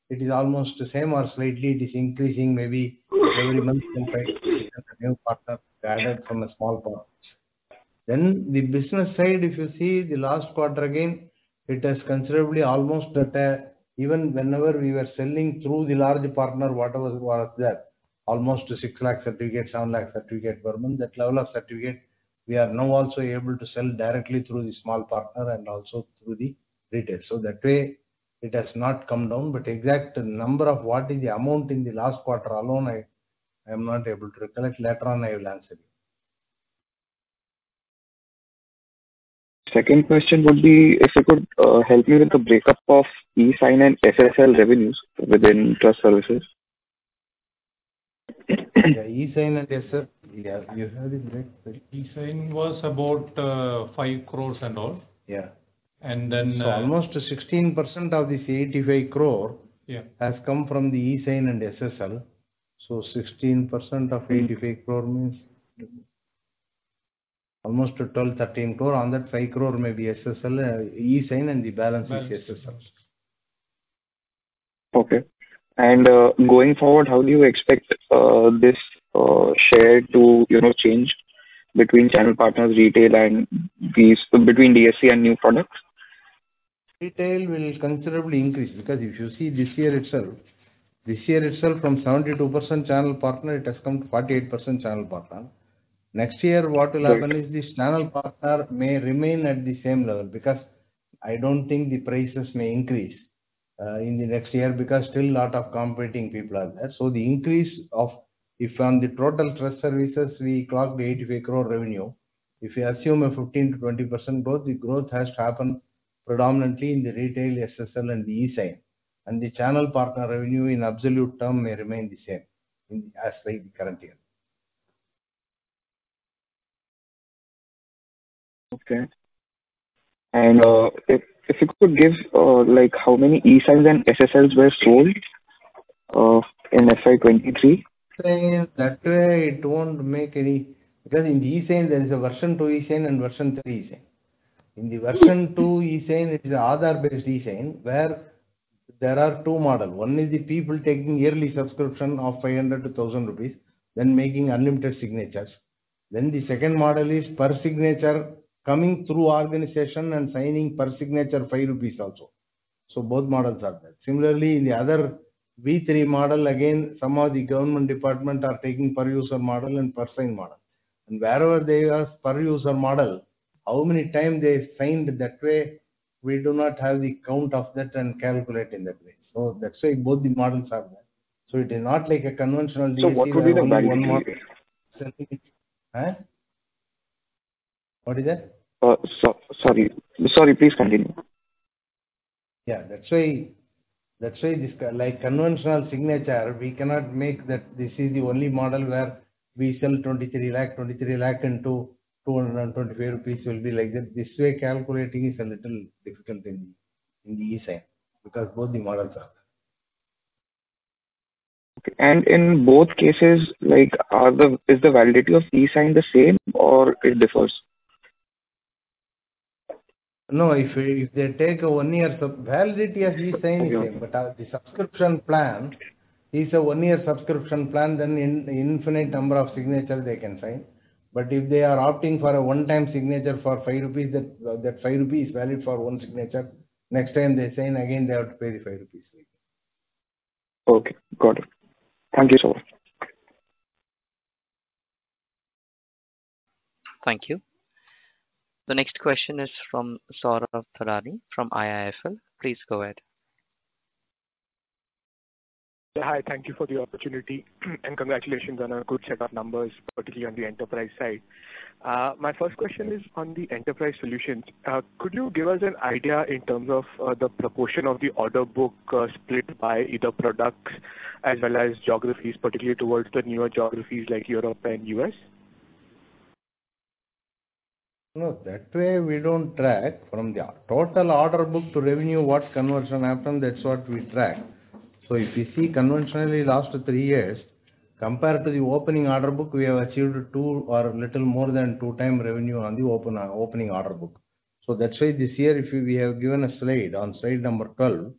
it is almost the same or slightly it is increasing, maybe every month new partner we added from the small partners. The business side, if you see the last quarter again, it has considerably almost that, even whenever we were selling through the large partner, whatever was there, almost 6 lakh certificate, 7 lakh certificate per month, that level of certificate we are now also able to sell directly through the small partner and also through the retail. That way, it has not come down. Exact number of what is the amount in the last quarter alone, I am not able to recollect. Later on, I will answer you. Second question would be, if you could help me with the breakup of eSign and SSL revenues within Trust Services. Yeah, eSign and SSL. Yeah, you have the. eSign was about, 5 crores and all. Yeah. And then— Almost 16% of this 85 crore has come from the eSign and SSL. 16% of 85 crore means almost 12 crore-13 crore. On that, 5 crore may be SSL, eSign, and the balance is SSL. Okay. Going forward, how do you expect this share to, you know, change between channel partners retail and these, between DSC and new products? Retail will considerably increase because if you see this year itself, from 72% channel partner, it has come to 48% channel partner. Next year, what will happen is this channel partner may remain at the same level, because I don't think the prices may increase in the next year because still lot of competing people are there. The increase of, if from Trust Services we clock the 85 crore revenue, if we assume a 15%-20% growth, the growth has to happen predominantly in the retail, SSL and the eSign. The channel partner revenue in absolute term may remain the same as like the current year. Okay. If you could give, like how many eSigns and SSLs were sold, in FY 2023? eSign, that way it won't make any-- In eSign there is a version 2 eSign and Version 3 eSign. In the Version 2 eSign, it's an Aadhaar based eSign, where there are two model. One is the people taking yearly subscription of 500-1,000 rupees, then making unlimited signatures. The second model is per signature coming through organization and signing per signature 5 rupees also. Both models are there. Similarly, in the other V3 model, again, some of the government department are taking per user model and per sign model. Wherever they have per user model, how many time they signed that way, we do not have the count of that and calculate in that way. That's why both the models are there. It is not like a conventional [corsstalk]. What would be the value? Eh? What is that? Sorry, please continue. Yeah. That's why this, like conventional signature, we cannot make that this is the only model where we sell 23 lakh into 225 rupees will be like that. This way calculating is a little difficult in the eSign, because both the models are there. Okay. In both cases, like, is the validity of eSign the same or it differs? No. If they take a one year sub... Validity of eSign is same. The subscription plan is a one-year subscription plan, then infinite number of signature they can sign. If they are opting for a one-time signature for 5 rupees, that 5 rupees is valid for one signature. Next time they sign again, they have to pay the 5 rupees again. Okay. Got it. Thank you so much. Thank you. The next question is from Saurav Farani from IIFL. Please go ahead. Hi. Thank you for the opportunity and congratulations on a good set of numbers, particularly on the enterprise side. My first question is on the enterprise solutions. Could you give us an idea in terms of the proportion of the order book split by either products as well as geographies, particularly towards the newer geographies like Europe and U.S.? No, that way we don't track. From the total order book to revenue, what conversion happened, that's what we track. If you see conventionally last three years compared to the opening order book, we have achieved two or little more than two times revenue on the open opening order book. That's why this year if we have given a slide, on slide number 12,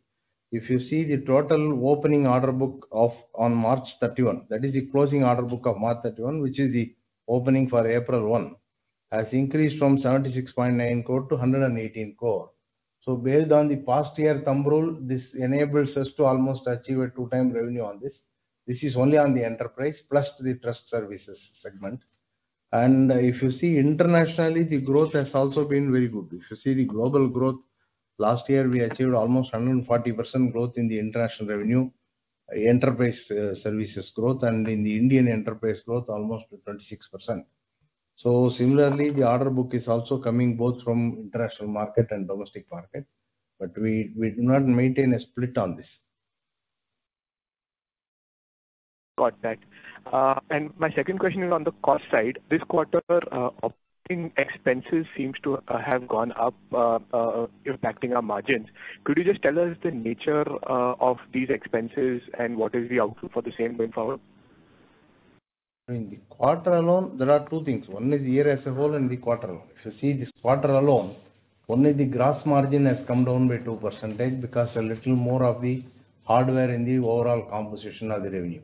if you see the total opening order book of, on March 31, that is the closing order book of March 31, which is the opening for April 1, has increased from 76.9 crore to 118 crore. Based on the past year thumb rule, this enables us to almost achieve a 2x revenue on this. This is only on the enterprise Trust Services segment. if you see internationally, the growth has also been very good. If you see the global growth, last year we achieved almost 140% growth in the international revenue, enterprise services growth, and in the Indian enterprise growth almost 26%. Similarly, the order book is also coming both from international market and domestic market, but we do not maintain a split on this. Got that. My second question is on the cost side. This quarter, operating expenses seems to have gone up, impacting our margins. Could you just tell us the nature of these expenses and what is the outlook for the same going forward? In the quarter alone, there are two things. One is the year as a whole and the quarter. If you see this quarter alone, only the gross margin has come down by 2% because a little more of the hardware in the overall composition of the revenue.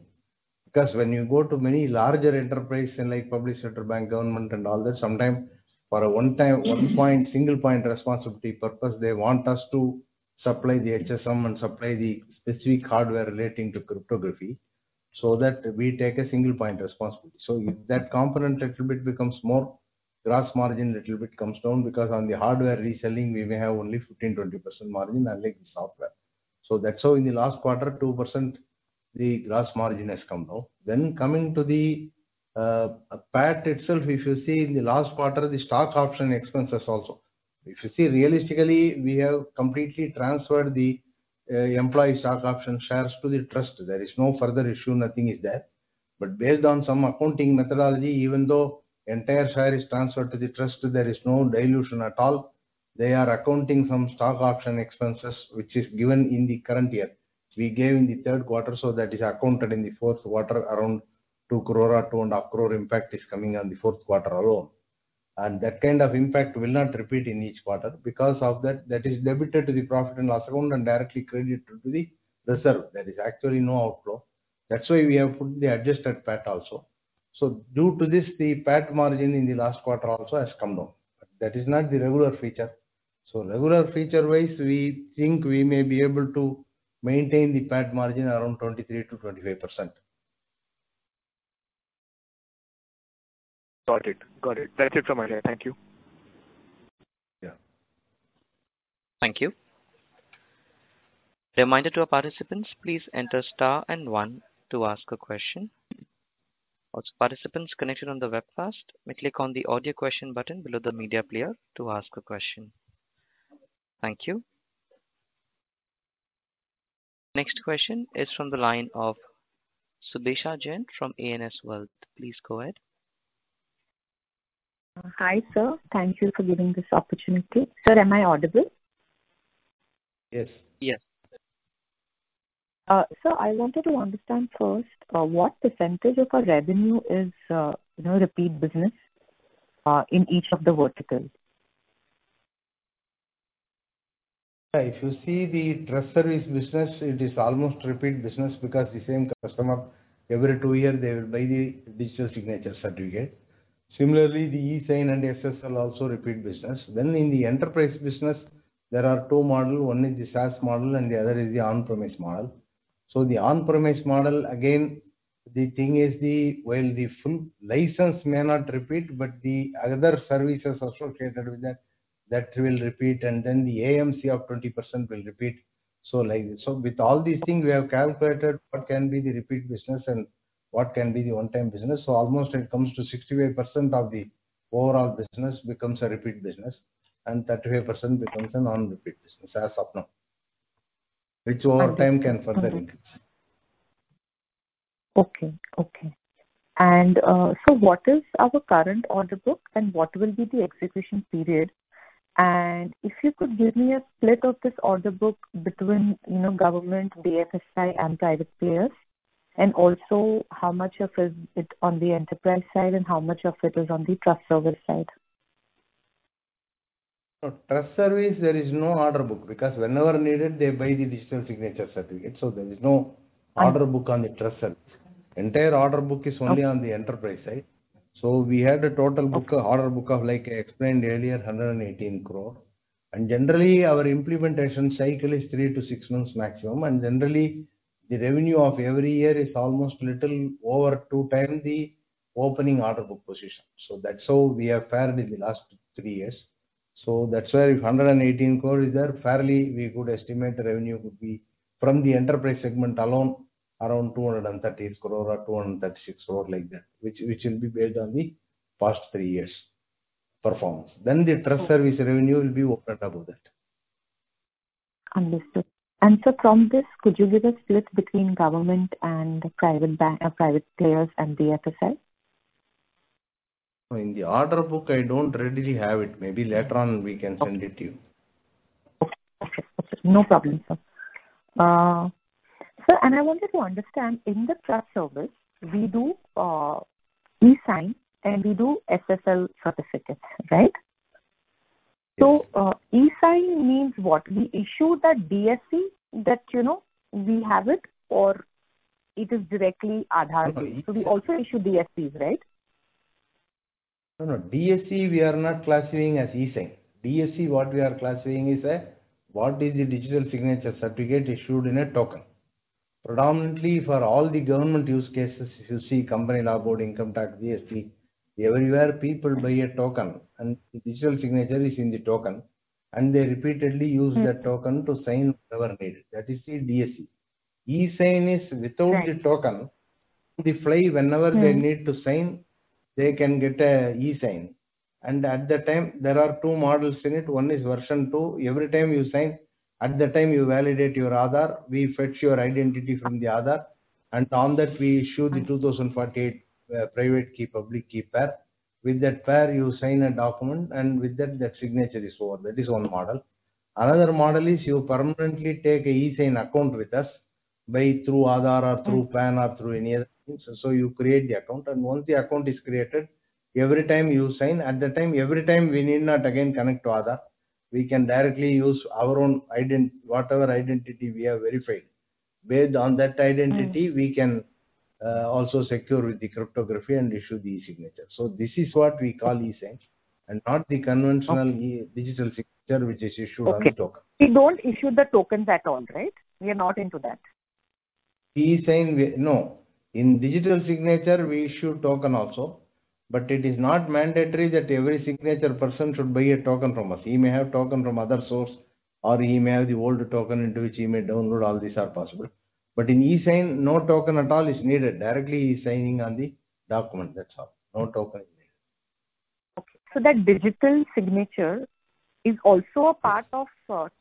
When you go to many larger enterprise in like public sector, bank, government and all that, sometimes for a one-time, one point, single point responsibility purpose, they want us to supply the HSM and supply the specific hardware relating to cryptography so that we take a single point responsibility. If that component little bit becomes more, gross margin little bit comes down because on the hardware reselling we may have only 15%, 20% margin unlike the software. That's how in the last quarter 2% the gross margin has come down. Coming to the PAT itself, if you see in the last quarter, the stock option expenses also. If you see realistically, we have completely transferred the employee stock option shares to the Trust. There is no further issue, nothing is there. Based on some accounting methodology, even though entire share is transferred to the Trust, there is no dilution at all. They are accounting some stock option expenses which is given in the current year. We gave in the third quarter, so that is accounted in the fourth quarter, around 2 crore or 2.5 crore impact is coming on the fourth quarter alone. That kind of impact will not repeat in each quarter because of that is debited to the profit and loss account and directly credited to the reserve. There is actually no outflow. That's why we have put the adjusted PAT also. Due to this, the PAT margin in the last quarter also has come down. That is not the regular feature. Regular feature wise, we think we may be able to maintain the PAT margin around 23%-25%. Got it. Got it. That's it from my end. Thank you. Yeah. Thank you. Reminder to our participants, please enter star and one to ask a question. Also, participants connected on the webcast may click on the audio question button below the media player to ask a question. Thank you. Next question is from the line of Swechha Jain from ANS Wealth. Please go ahead. Hi, sir. Thank you for giving this opportunity. Sir, am I audible? Yes. Yes. Sir, I wanted to understand first, what % of our revenue is, you know, repeat business, in each of the verticals? If you see the trust service business, it is almost repeat business because the same customer every two years they will buy the digital signature certificate. Similarly, the eSign and SSL also repeat business. In the enterprise business, there are two models. One is the SaaS model and the other is the on-premise model. The on-premise model, again, while the full license may not repeat, but the other services associated with that will repeat, and the AMC of 20% will repeat. With all these things, we have calculated what can be the repeat business and what can be the one-time business. Almost it comes to 65% of the overall business becomes a repeat business and 35% becomes a non-repeat business, as of now, which over time can further increase. Okay. Okay. Sir, what is our current order book and what will be the execution period? If you could give me a split of this order book between, you know, government, BFSI and private players, and also how much of it's on the enterprise side and how much of it is on the trust service side. Trust Service there is no order book because whenever needed they buy the digital signature certificate. There is no order book on the trust service. Entire order book is only on the enterprise side. We had a total book, order book of like I explained earlier, 118 crore. Generally our implementation cycle is three to six months maximum. Generally the revenue of every year is almost little over 2x the opening order book position. That's how we have fared in the last three years. That's why if 118 crore is there, fairly we could estimate the revenue could be from the enterprise segment alone around 238 crore or 236 crore like that, which will be based on the past three years' performance. The Trust Service revenue will be over and above that. Understood. From this, could you give a split between government and private players and the FSL? In the order book, I don't readily have it. Maybe later on we can send it to you. Okay. No problem, sir. Sir, I wanted to understand, in the trust service we do, eSign and we do SSL certificate, right? eSign means what? We issue that DSC that, you know, we have it or it is directly Aadhaar based. We also issue DSCs, right? No, no. DSC we are not classifying as eSign. DSC, what we are classifying is a digital signature certificate issued in a token. Predominantly for all the government use cases, if you see Company Law Board, Income Tax, GST, everywhere people buy a token and the digital signature is in the token and they repeatedly use that token to sign whatever needed. That is the DSC. eSign is without the token. On the fly whenever they need to sign, they can get a eSign. At the time there are two models in it. One is version 2. Every time you sign, at the time you validate your Aadhaar, we fetch your identity from the Aadhaar, and on that we issue the 2048 private key/public key pair. With that pair you sign a document, and with that signature is over. That is one model. Another model is you permanently take a eSign account with us by through Aadhaar or through PAN or through any other means. You create the account. Once the account is created, every time you sign, at the time, every time we need not again connect to Aadhaar. We can directly use our own whatever identity we have verified. Based on that identity, we can also secure with the cryptography and issue the eSignature. This is what we call eSign and not the conventional e, digital signature which is issued on the token. We don't issue the tokens at all, right? We are not into that. eSign. No. In digital signature we issue token also, but it is not mandatory that every signature person should buy a token from us. He may have token from other source or he may have the old token into which he may download. All these are possible. In eSign, no token at all is needed. Directly eSigning on the document, that's all. No token is needed. Okay. That digital signature is also a part of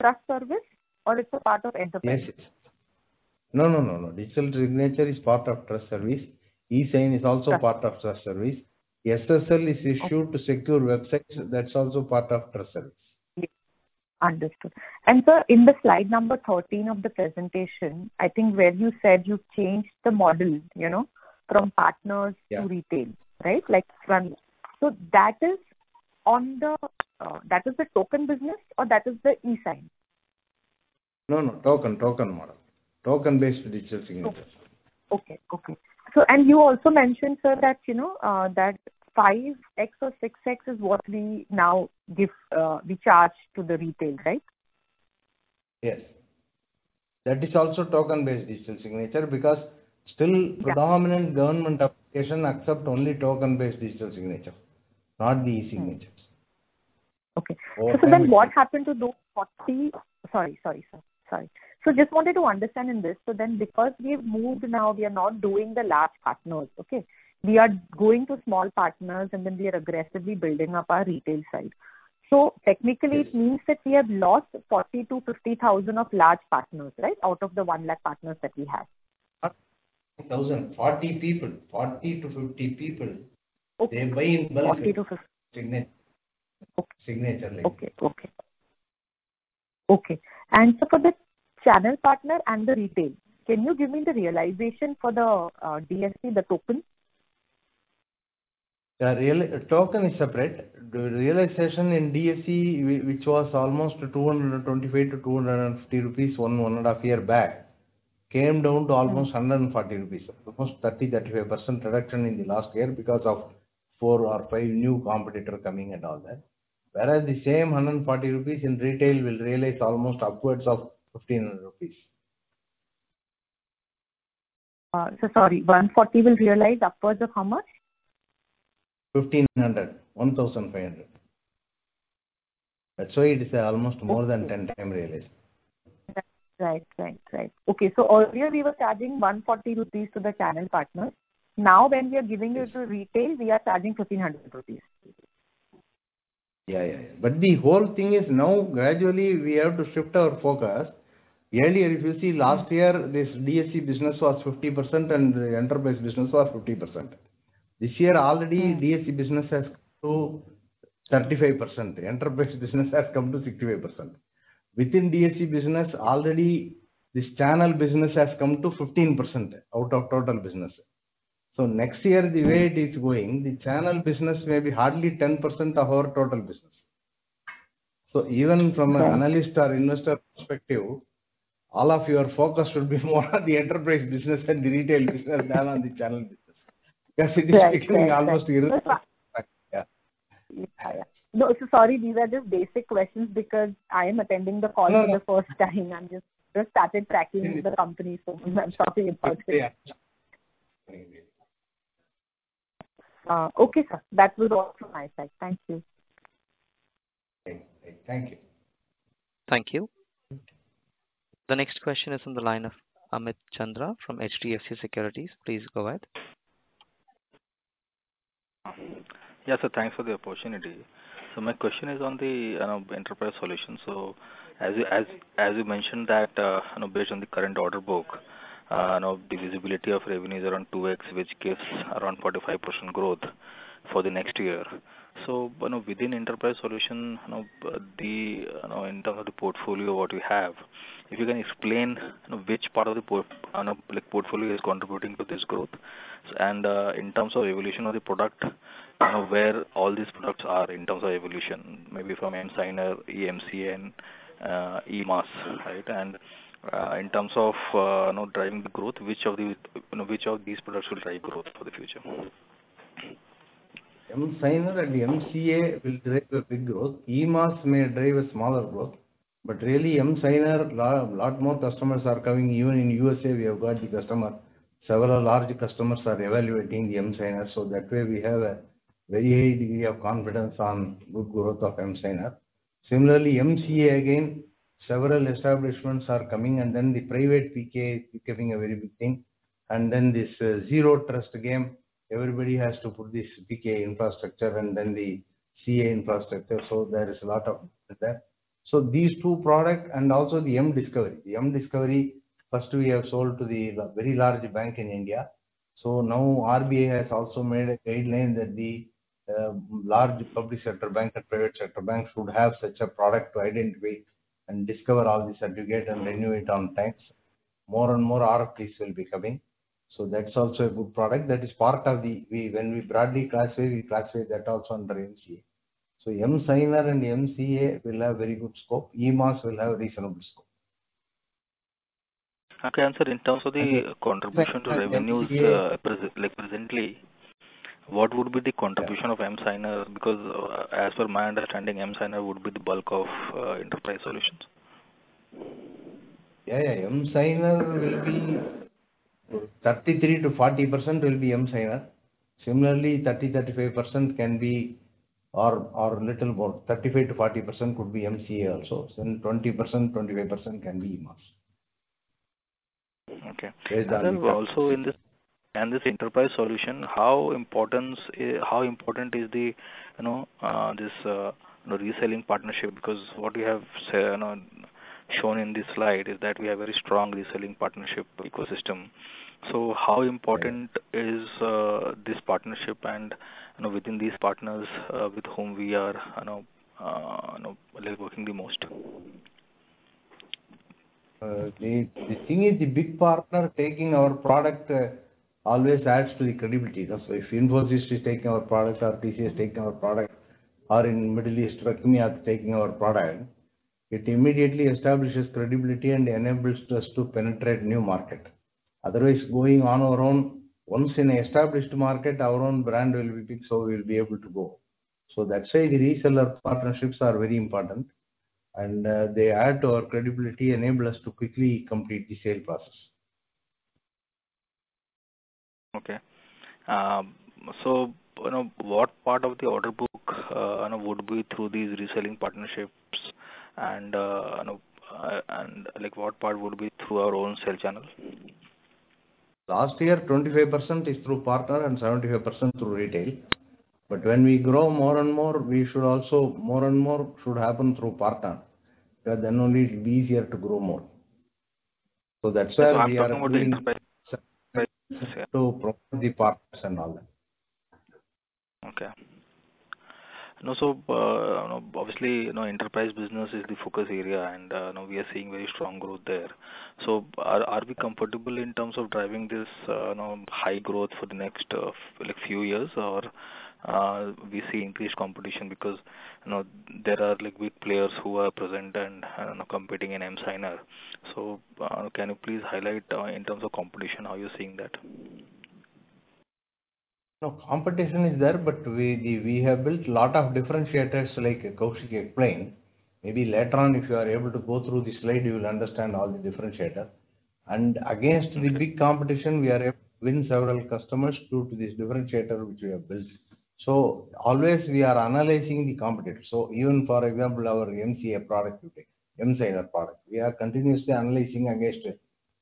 trust service or it's a part of enterprise? No, no, no. Digital signature is part of trust service. eSign is also part of trust service. SSL is issued to secure websites. That's also part of trust service. Yes. Understood. Sir, in the slide number 13 of the presentation, I think where you said you've changed the model, you know, from partners to retail, right? That is on the, that is the token business or that is the eSign? No, no. Token, token model. Token-based digital signatures. Okay. Okay. You also mentioned, sir, that, you know, that 5x or 6x is what we now give, we charge to the retail, right? Yes. That is also token-based digital signature because still predominant government application accept only token-based digital signature, not the eSignatures. Okay. What happened to those 40— Sorry. Just wanted to understand in this. Because we've moved now, we are not doing the large partners. Okay. We are going to small partners and then we are aggressively building up our retail side. Technically it means that we have lost 40,000-50,000 of large partners, right? Out of the 1 lakh partners that we have. Not thousand. 40 people. 40-50 people. Okay. They buy in bulk. 40-50. Signature. Okay. Signature license. Okay. Sir, for the channel partner and the retail, can you give me the realization for the DSC, the token? Token is separate. The realization in DSC, which was almost 225-250 rupees one and a half year back, came down to almost 140 rupees. Almost 30%-35% reduction in the last year because of four or five new competitor coming and all that. Whereas the same 140 rupees in retail will realize almost upwards of 1,500 rupees. Sorry, 140 will realize upwards of how much? 1,500. 1,500. That's why it is almost more than 10x realization. Right. Okay. Earlier we were charging 140 rupees to the channel partner. Now when we are giving it to retail, we are charging 1,500 rupees. Yeah. The whole thing is now gradually we have to shift our focus. Earlier, if you see last year, this DSC business was 50% and the enterprise business was 50%. This year already DSC business has come to 35%. Enterprise business has come to 65%. Within DSC business already this channel business has come to 15% out of total business. Next year the way it is going, the channel business may be hardly 10% of our total business. Even from an analyst or investor perspective, all of your focus should be more on the enterprise business and the retail business than on the channel business. Because it is reaching almost 0%. Right. Right. Right. Yeah. Yeah, yeah. No, sorry these are just basic questions because I am attending the call for the first time. No, no. I'm just started tracking the company, so I'm talking about it. Yeah, yeah. Okay, sir. That was all from my side. Thank you. Thank you. Thank you. The next question is on the line of Amit Chandra from HDFC Securities. Please go ahead. Yes, sir. Thanks for the opportunity. My question is on the enterprise solution. As you mentioned that, you know, based on the current order book, you know, the visibility of revenue is around 2x, which gives around 45% growth for the next year. Within enterprise solution, you know, the, you know, in terms of the portfolio, what we have, if you can explain which part of the on a public portfolio is contributing to this growth? In terms of evolution of the product, you know, where all these products are in terms of evolution, maybe from emSigner, emCA, and emAS, right? In terms of, you know, driving the growth, which of these products will drive growth for the future? emSigner and emCA will drive the big growth. emAS may drive a smaller growth. Really, emSigner, lot more customers are coming. Even in U.S., we have got the customer. Several large customers are evaluating the emSigner. That way we have a very high degree of confidence on good growth of emSigner. Similarly, emCA, again, several establishments are coming, the private PK is becoming a very big thing. This Zero Trust game, everybody has to put this PK infrastructure and the CA infrastructure. There is a lot of that. These two products and also the emDiscovery. The emDiscovery, first we have sold to the very large bank in India. Now RBI has also made a guideline that the large public sector bank and private sector banks would have such a product to identify and discover all this aggregate and renew it on times. More and more RFPs will be coming. That's also a good product. That is part of the. We, when we broadly classify, we classify that also under emCA. emSigner and emCA will have very good scope. emAS will have reasonable scope. Okay. Sir, in terms of the contribution to revenues, like presently, what would be the contribution of emSigner? Because as per my understanding, emSigner would be the bulk of enterprise solutions. Yeah, yeah. emSigner 33%-40% will be emSigner. Similarly, 30%-35% can be, or a little more, 35%-40% could be emCA also. 20%-25% can be emAS. Okay. Also in this, and this enterprise solution, how important is the, you know, this reselling partnership? What we have, you know, shown in this slide is that we have very strong reselling partnership ecosystem. How important is this partnership and, you know, within these partners, with whom we are, you know, working the most? The thing is the big partner taking our product always adds to the credibility. If Infosys is taking our products or TCS taking our product or in Middle East, Rukmini are taking our product, it immediately establishes credibility and enables us to penetrate new market. Otherwise, going on our own, once in an established market, our own brand will be big, so we'll be able to go. That's why the reseller partnerships are very important and they add to our credibility, enable us to quickly complete the sale process. Okay. you know, what part of the order book, you know, would be through these reselling partnerships and, you know, and like, what part would be through our own sales channel? Last year, 25% is through partner and 75% through retail. When we grow more and more, more and more should happen through partner. Only it'll be easier to grow more. That's why we are. I'm talking about the enterprise. grow the partners and all that. Okay. Also, obviously, you know, enterprise business is the focus area, and now we are seeing very strong growth there. Are we comfortable in terms of driving this, you know, high growth for the next, like, few years? Or we see increased competition because, you know, there are like weak players who are present and, I don't know, competing in emSigner. Can you please highlight in terms of competition, how you're seeing that? Competition is there, but we have built lot of differentiators like Kaushik explained. Maybe later on, if you are able to go through the slide, you will understand all the differentiator. Against the big competition, we are able to win several customers due to this differentiator which we have built. Always we are analyzing the competitor. Even for example, our emCA product, emSigner product, we are continuously analyzing against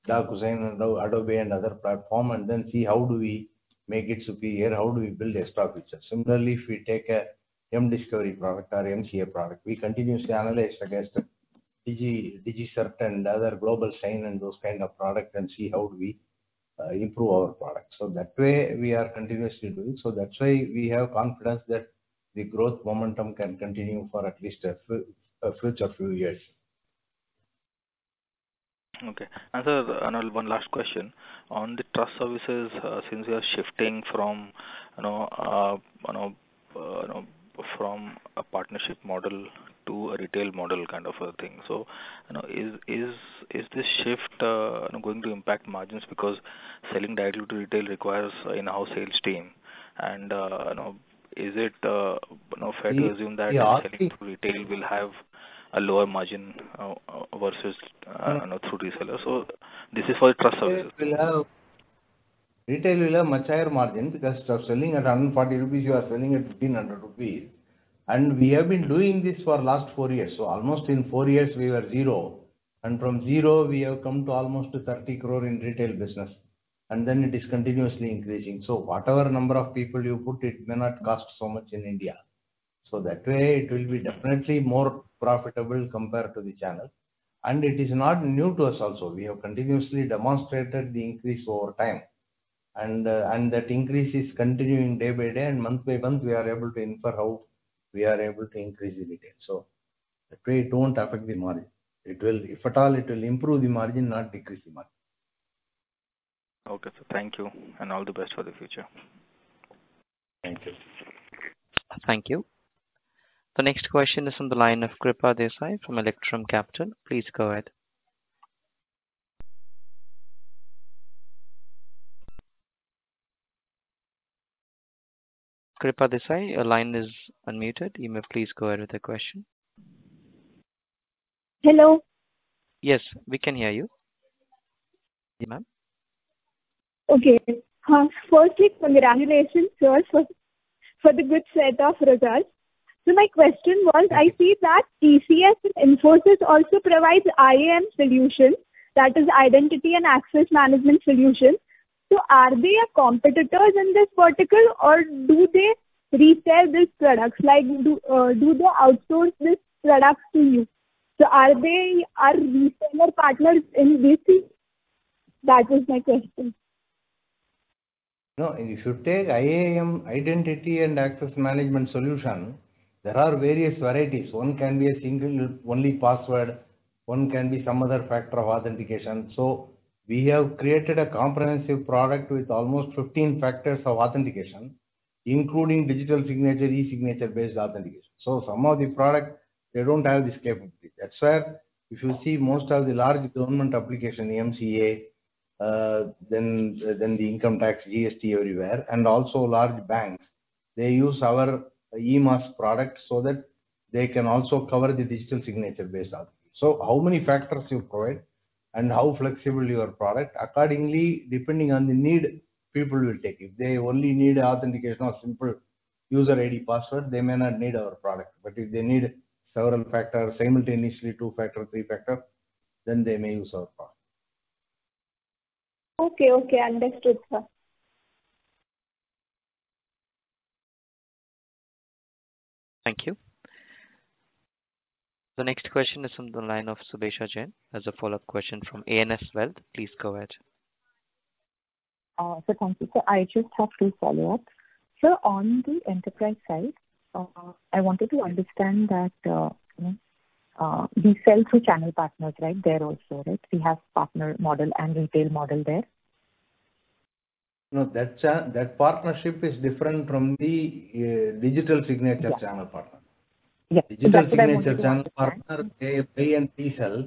DocuSign and Adobe and other platform, see how do we make it superior, how do we build extra features. Similarly, if we take a emDiscovery product or emCA product, we continuously analyze against DigiCert and other GlobalSign and those kind of product and see how do we improve our product. That way we are continuously doing. That's why we have confidence that the growth momentum can continue for at least a future few years. Okay. One last question. Trust Services, since you are shifting from, you know, you know, you know, from a partnership model to a retail model kind of a thing. You know, is this shift, you know, going to impact margins? Because selling directly to retail requires in-house sales team and, you know, is it, you know, fair to assume that selling to retail will have a lower margin versus, you know, through reseller? This is for Trust Services. Retail will have much higher margin because instead of selling at 140 rupees, you are selling at 1,500 rupees. We have been doing this for last four years. Almost in four years we were zero, and from zero we have come to almost 30 crore in retail business, and then it is continuously increasing. Whatever number of people you put, it may not cost so much in India. That way it will be definitely more profitable compared to the channel. It is not new to us also. We have continuously demonstrated the increase over time. That increase is continuing day by day and month by month, we are able to infer how we are able to increase the retail. That way it don't affect the margin. If at all, it will improve the margin, not decrease the margin. Okay, sir. Thank you, and all the best for the future. Thank you. Thank you. The next question is on the line of Krupa Desai from Elara Capital. Please go ahead. Krupa Desai, your line is unmuted. You may please go ahead with your question. Hello. Yes, we can hear you. Yes, ma'am. Okay. firstly, congratulations first for the good set of results. My question was, I see that TCS and Infosys also provides IAM solution, that is identity and access management solution. Are they your competitors in this vertical or do they resell this product? Like, do they outsource this product to you? Are they reseller partners in this thing? That is my question. No. If you take IAM, identity and access management solution, there are various varieties. One can be a single only password, one can be some other factor of authentication. We have created a comprehensive product with almost 15 factors of authentication, including digital signature, e-signature-based authentication. Some of the product, they don't have this capability. That's where if you see most of the large government application, MCA, then the income tax, GST everywhere, and also large banks, they use our emAS product so that they can also cover the digital signature-based app. How many factors you provide and how flexible your product, accordingly, depending on the need, people will take it. They only need authentication or simple user ID password, they may not need our product. If they need several factor simultaneously, two-factor, three-factor, then they may use our product. Okay. Okay. Understood, sir. Thank you. The next question is on the line of Swechha Jain. As a follow-up question from ANS Wealth. Please go ahead. Thank you, Sir. I just have to follow up. Sir, on the enterprise side, I wanted to understand that, you know, we sell through channel partners right there also, right? We have partner model and retail model there. No. That partnership is different from the digital signature channel partner. Yes. That's what I wanted to understand. Digital signature channel partner, they buy and resell.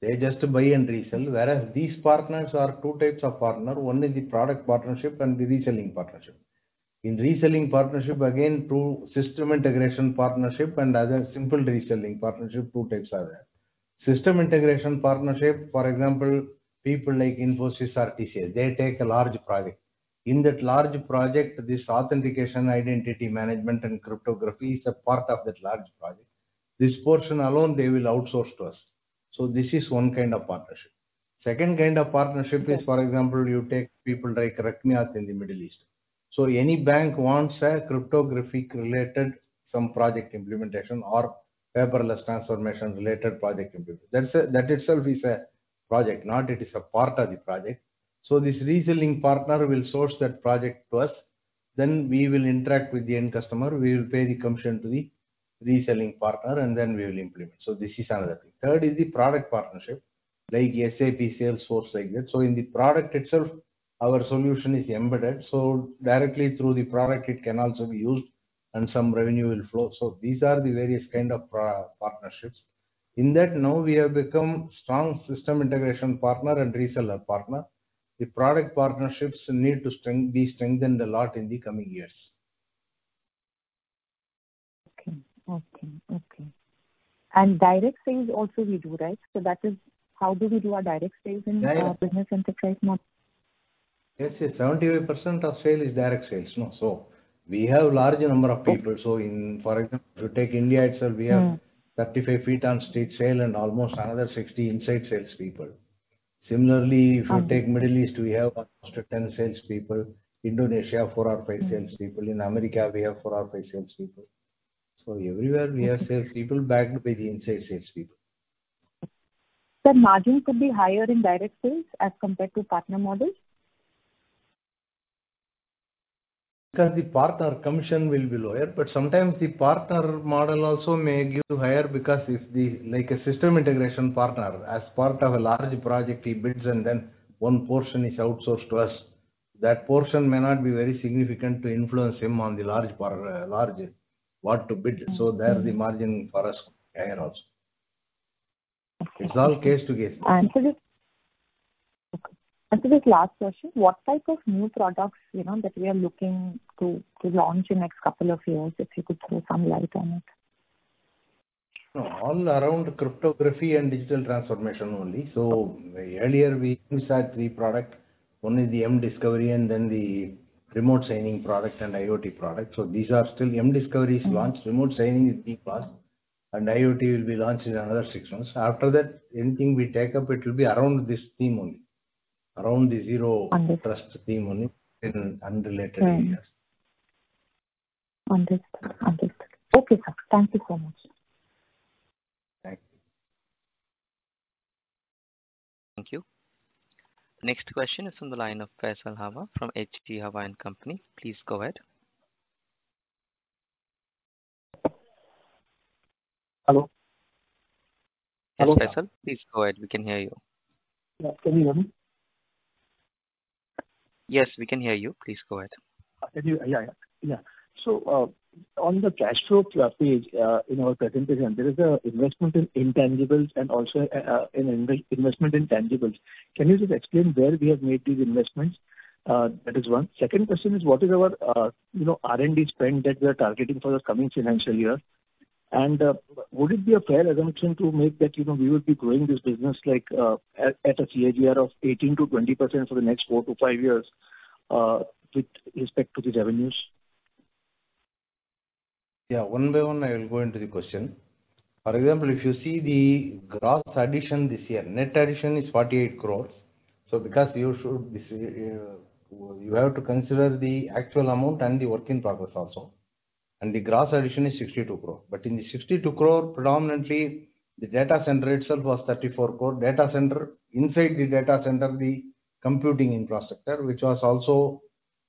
They just buy and resell. These partners are two types of partner. One is the product partnership and the reselling partnership. In reselling partnership, again, two system integration partnership and other simple reselling partnership, two types are there. System integration partnership, for example, people like Infosys or TCS, they take a large project. In that large project, this authentication, identity management and cryptography is a part of that large project. This portion alone, they will outsource to us. This is one kind of partnership. Second kind of partnership is, for example, you take people like Raqmiyat in the Middle East. Any bank wants a cryptographic-related, some project implementation or paperless transformation-related project implementation. That itself is a project, not it is a part of the project. This reselling partner will source that project to us. We will interact with the end customer. We will pay the commission to the reselling partner, and then we will implement. This is another thing. Third is the product partnership, like SAP Salesforce like that. In the product itself, our solution is embedded. Directly through the product it can also be used and some revenue will flow. These are the various kind of partnerships. In that, now we have become strong system integration partner and reseller partner. The product partnerships need to be strengthened a lot in the coming years. Okay. Okay. Okay. Direct sales also we do, right? How do we do our direct sales? Direct. Business enterprise model? Yes, yes. 75% of sale is direct sales. No. We have large number of people. Okay. For example, if you take India itself, we have 35 feet on street sale and almost another 60 inside sales people. Similarly, if you take Middle East, we have almost 10 sales people. Indonesia, four or five sales people. In America, we have four or five sales people. Everywhere we have sales people backed by the inside sales people. Sir, margin could be higher in direct sales as compared to partner models? The partner commission will be lower. Sometimes the partner model also may give higher because if the, like a system integration partner, as part of a large project he builds and then one portion is outsourced to us, that portion may not be very significant to influence him on the large part, large what to build. There the margin for us higher also. It's all case to case. Sir, this last question. What type of new products, you know, that we are looking to launch in next couple of years, if you could throw some light on it? No, all around cryptography and digital transformation only. Earlier we said three product. One is the emDiscovery and then the remote signing product and IoT product. These are still emDiscovery is launched, remote signing is B class, and IoT will be launched in another six months. After that, anything we take up it will be around this theme only. Understood. Around the Zero Trust theme only in unrelated areas. Understood. Understood. Okay, sir. Thank you so much. Thank you. Thank you. Next question is from the line of Faisal Hawa from H.G Hawa & Co. Please go ahead. Hello? Hello. Faisal, please go ahead. We can hear you. Can you hear me? Yes, we can hear you. Please go ahead. Yeah. On the cash flow page, in our presentation, there is an investment in intangibles and also an investment in tangibles. Can you just explain where we have made these investments? That is one. Second question is what is our, you know, R&D spend that we are targeting for the coming financial year? Would it be a fair assumption to make that, you know, we will be growing this business like at a CAGR of 18%-20% for the next four to five years with respect to the revenues? Yeah. One by one, I will go into the question. For example, if you see the gross addition this year, net addition is 48 crores. Because you should, you have to consider the actual amount and the work in progress also. The gross addition is 62 crores. In the 62 crores, predominantly the data center itself was 34 crores. Data center, inside the data center, the computing infrastructure, which was also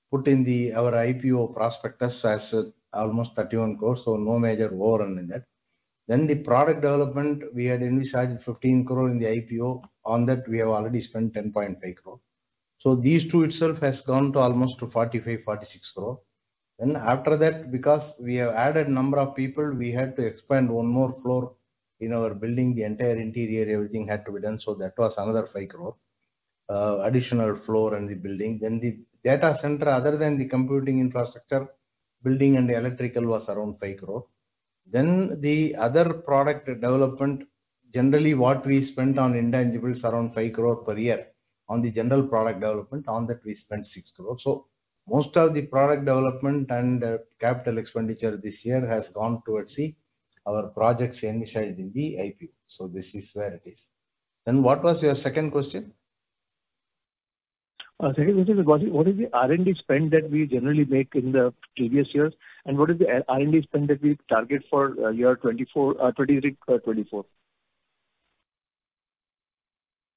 put in the our IPO prospectus as almost 31 crores, so no major overrun in that. The product development, we had initially said 15 crore in the IPO. On that, we have already spent 10.5 crores. These two itself has gone to almost to 45-46 crores. After that, because we have added number of people, we had to expand one more floor in our building, the entire interior, everything had to be done. That was another 5 crores, additional floor in the building. The data center, other than the computing infrastructure, building and the electrical was around 5 crores. The other product development, generally what we spent on intangibles around 5 crores per year on the general product development, on that we spent 6 crores. Most of the product development and CapEx this year has gone towards our projects initiated in the IPO. This is where it is. What was your second question? Second question was what is the R&D spend that we generally make in the previous years, and what is the R&D spend that we target for year 2024, 2023, 2024?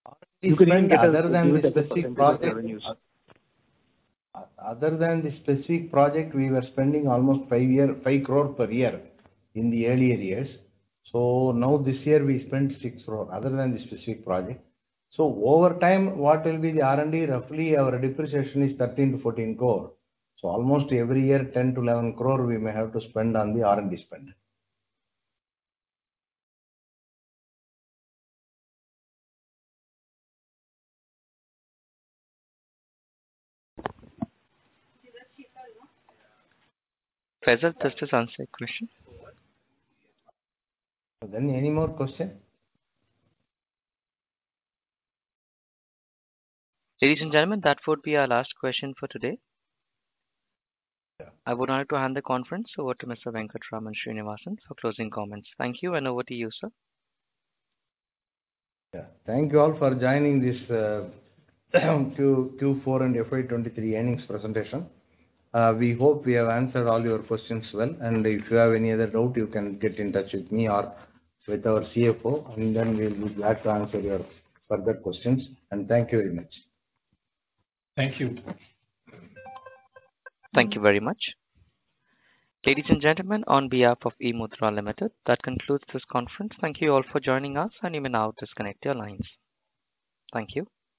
R&D spend other than the specific project. You can give it as a percentage of revenues. Other than the specific project, we were spending almost 5 crores per year in the earlier years. Now this year we spent 6 crores other than the specific project. Over time, what will be the R&D? Roughly our depreciation is 13 crores-14 crores. Almost every year, 10 crores-11 crores we may have to spend on the R&D spend. Faisal, just to summarize your question. Are there any more question? Ladies and gentlemen, that would be our last question for today. Yeah. I would like to hand the conference over to Mr. Venkatraman Srinivasan for closing comments. Thank you, and over to you, sir. Thank you all for joining this Q4 and FY 2023 earnings presentation. We hope we have answered all your questions well. If you have any other doubt, you can get in touch with me or with our CFO, and then we'll be glad to answer your further questions. Thank you very much. Thank you. Thank you very much. Ladies and gentlemen, on behalf of eMudhra Limited, that concludes this conference. Thank you all for joining us, and you may now disconnect your lines. Thank you.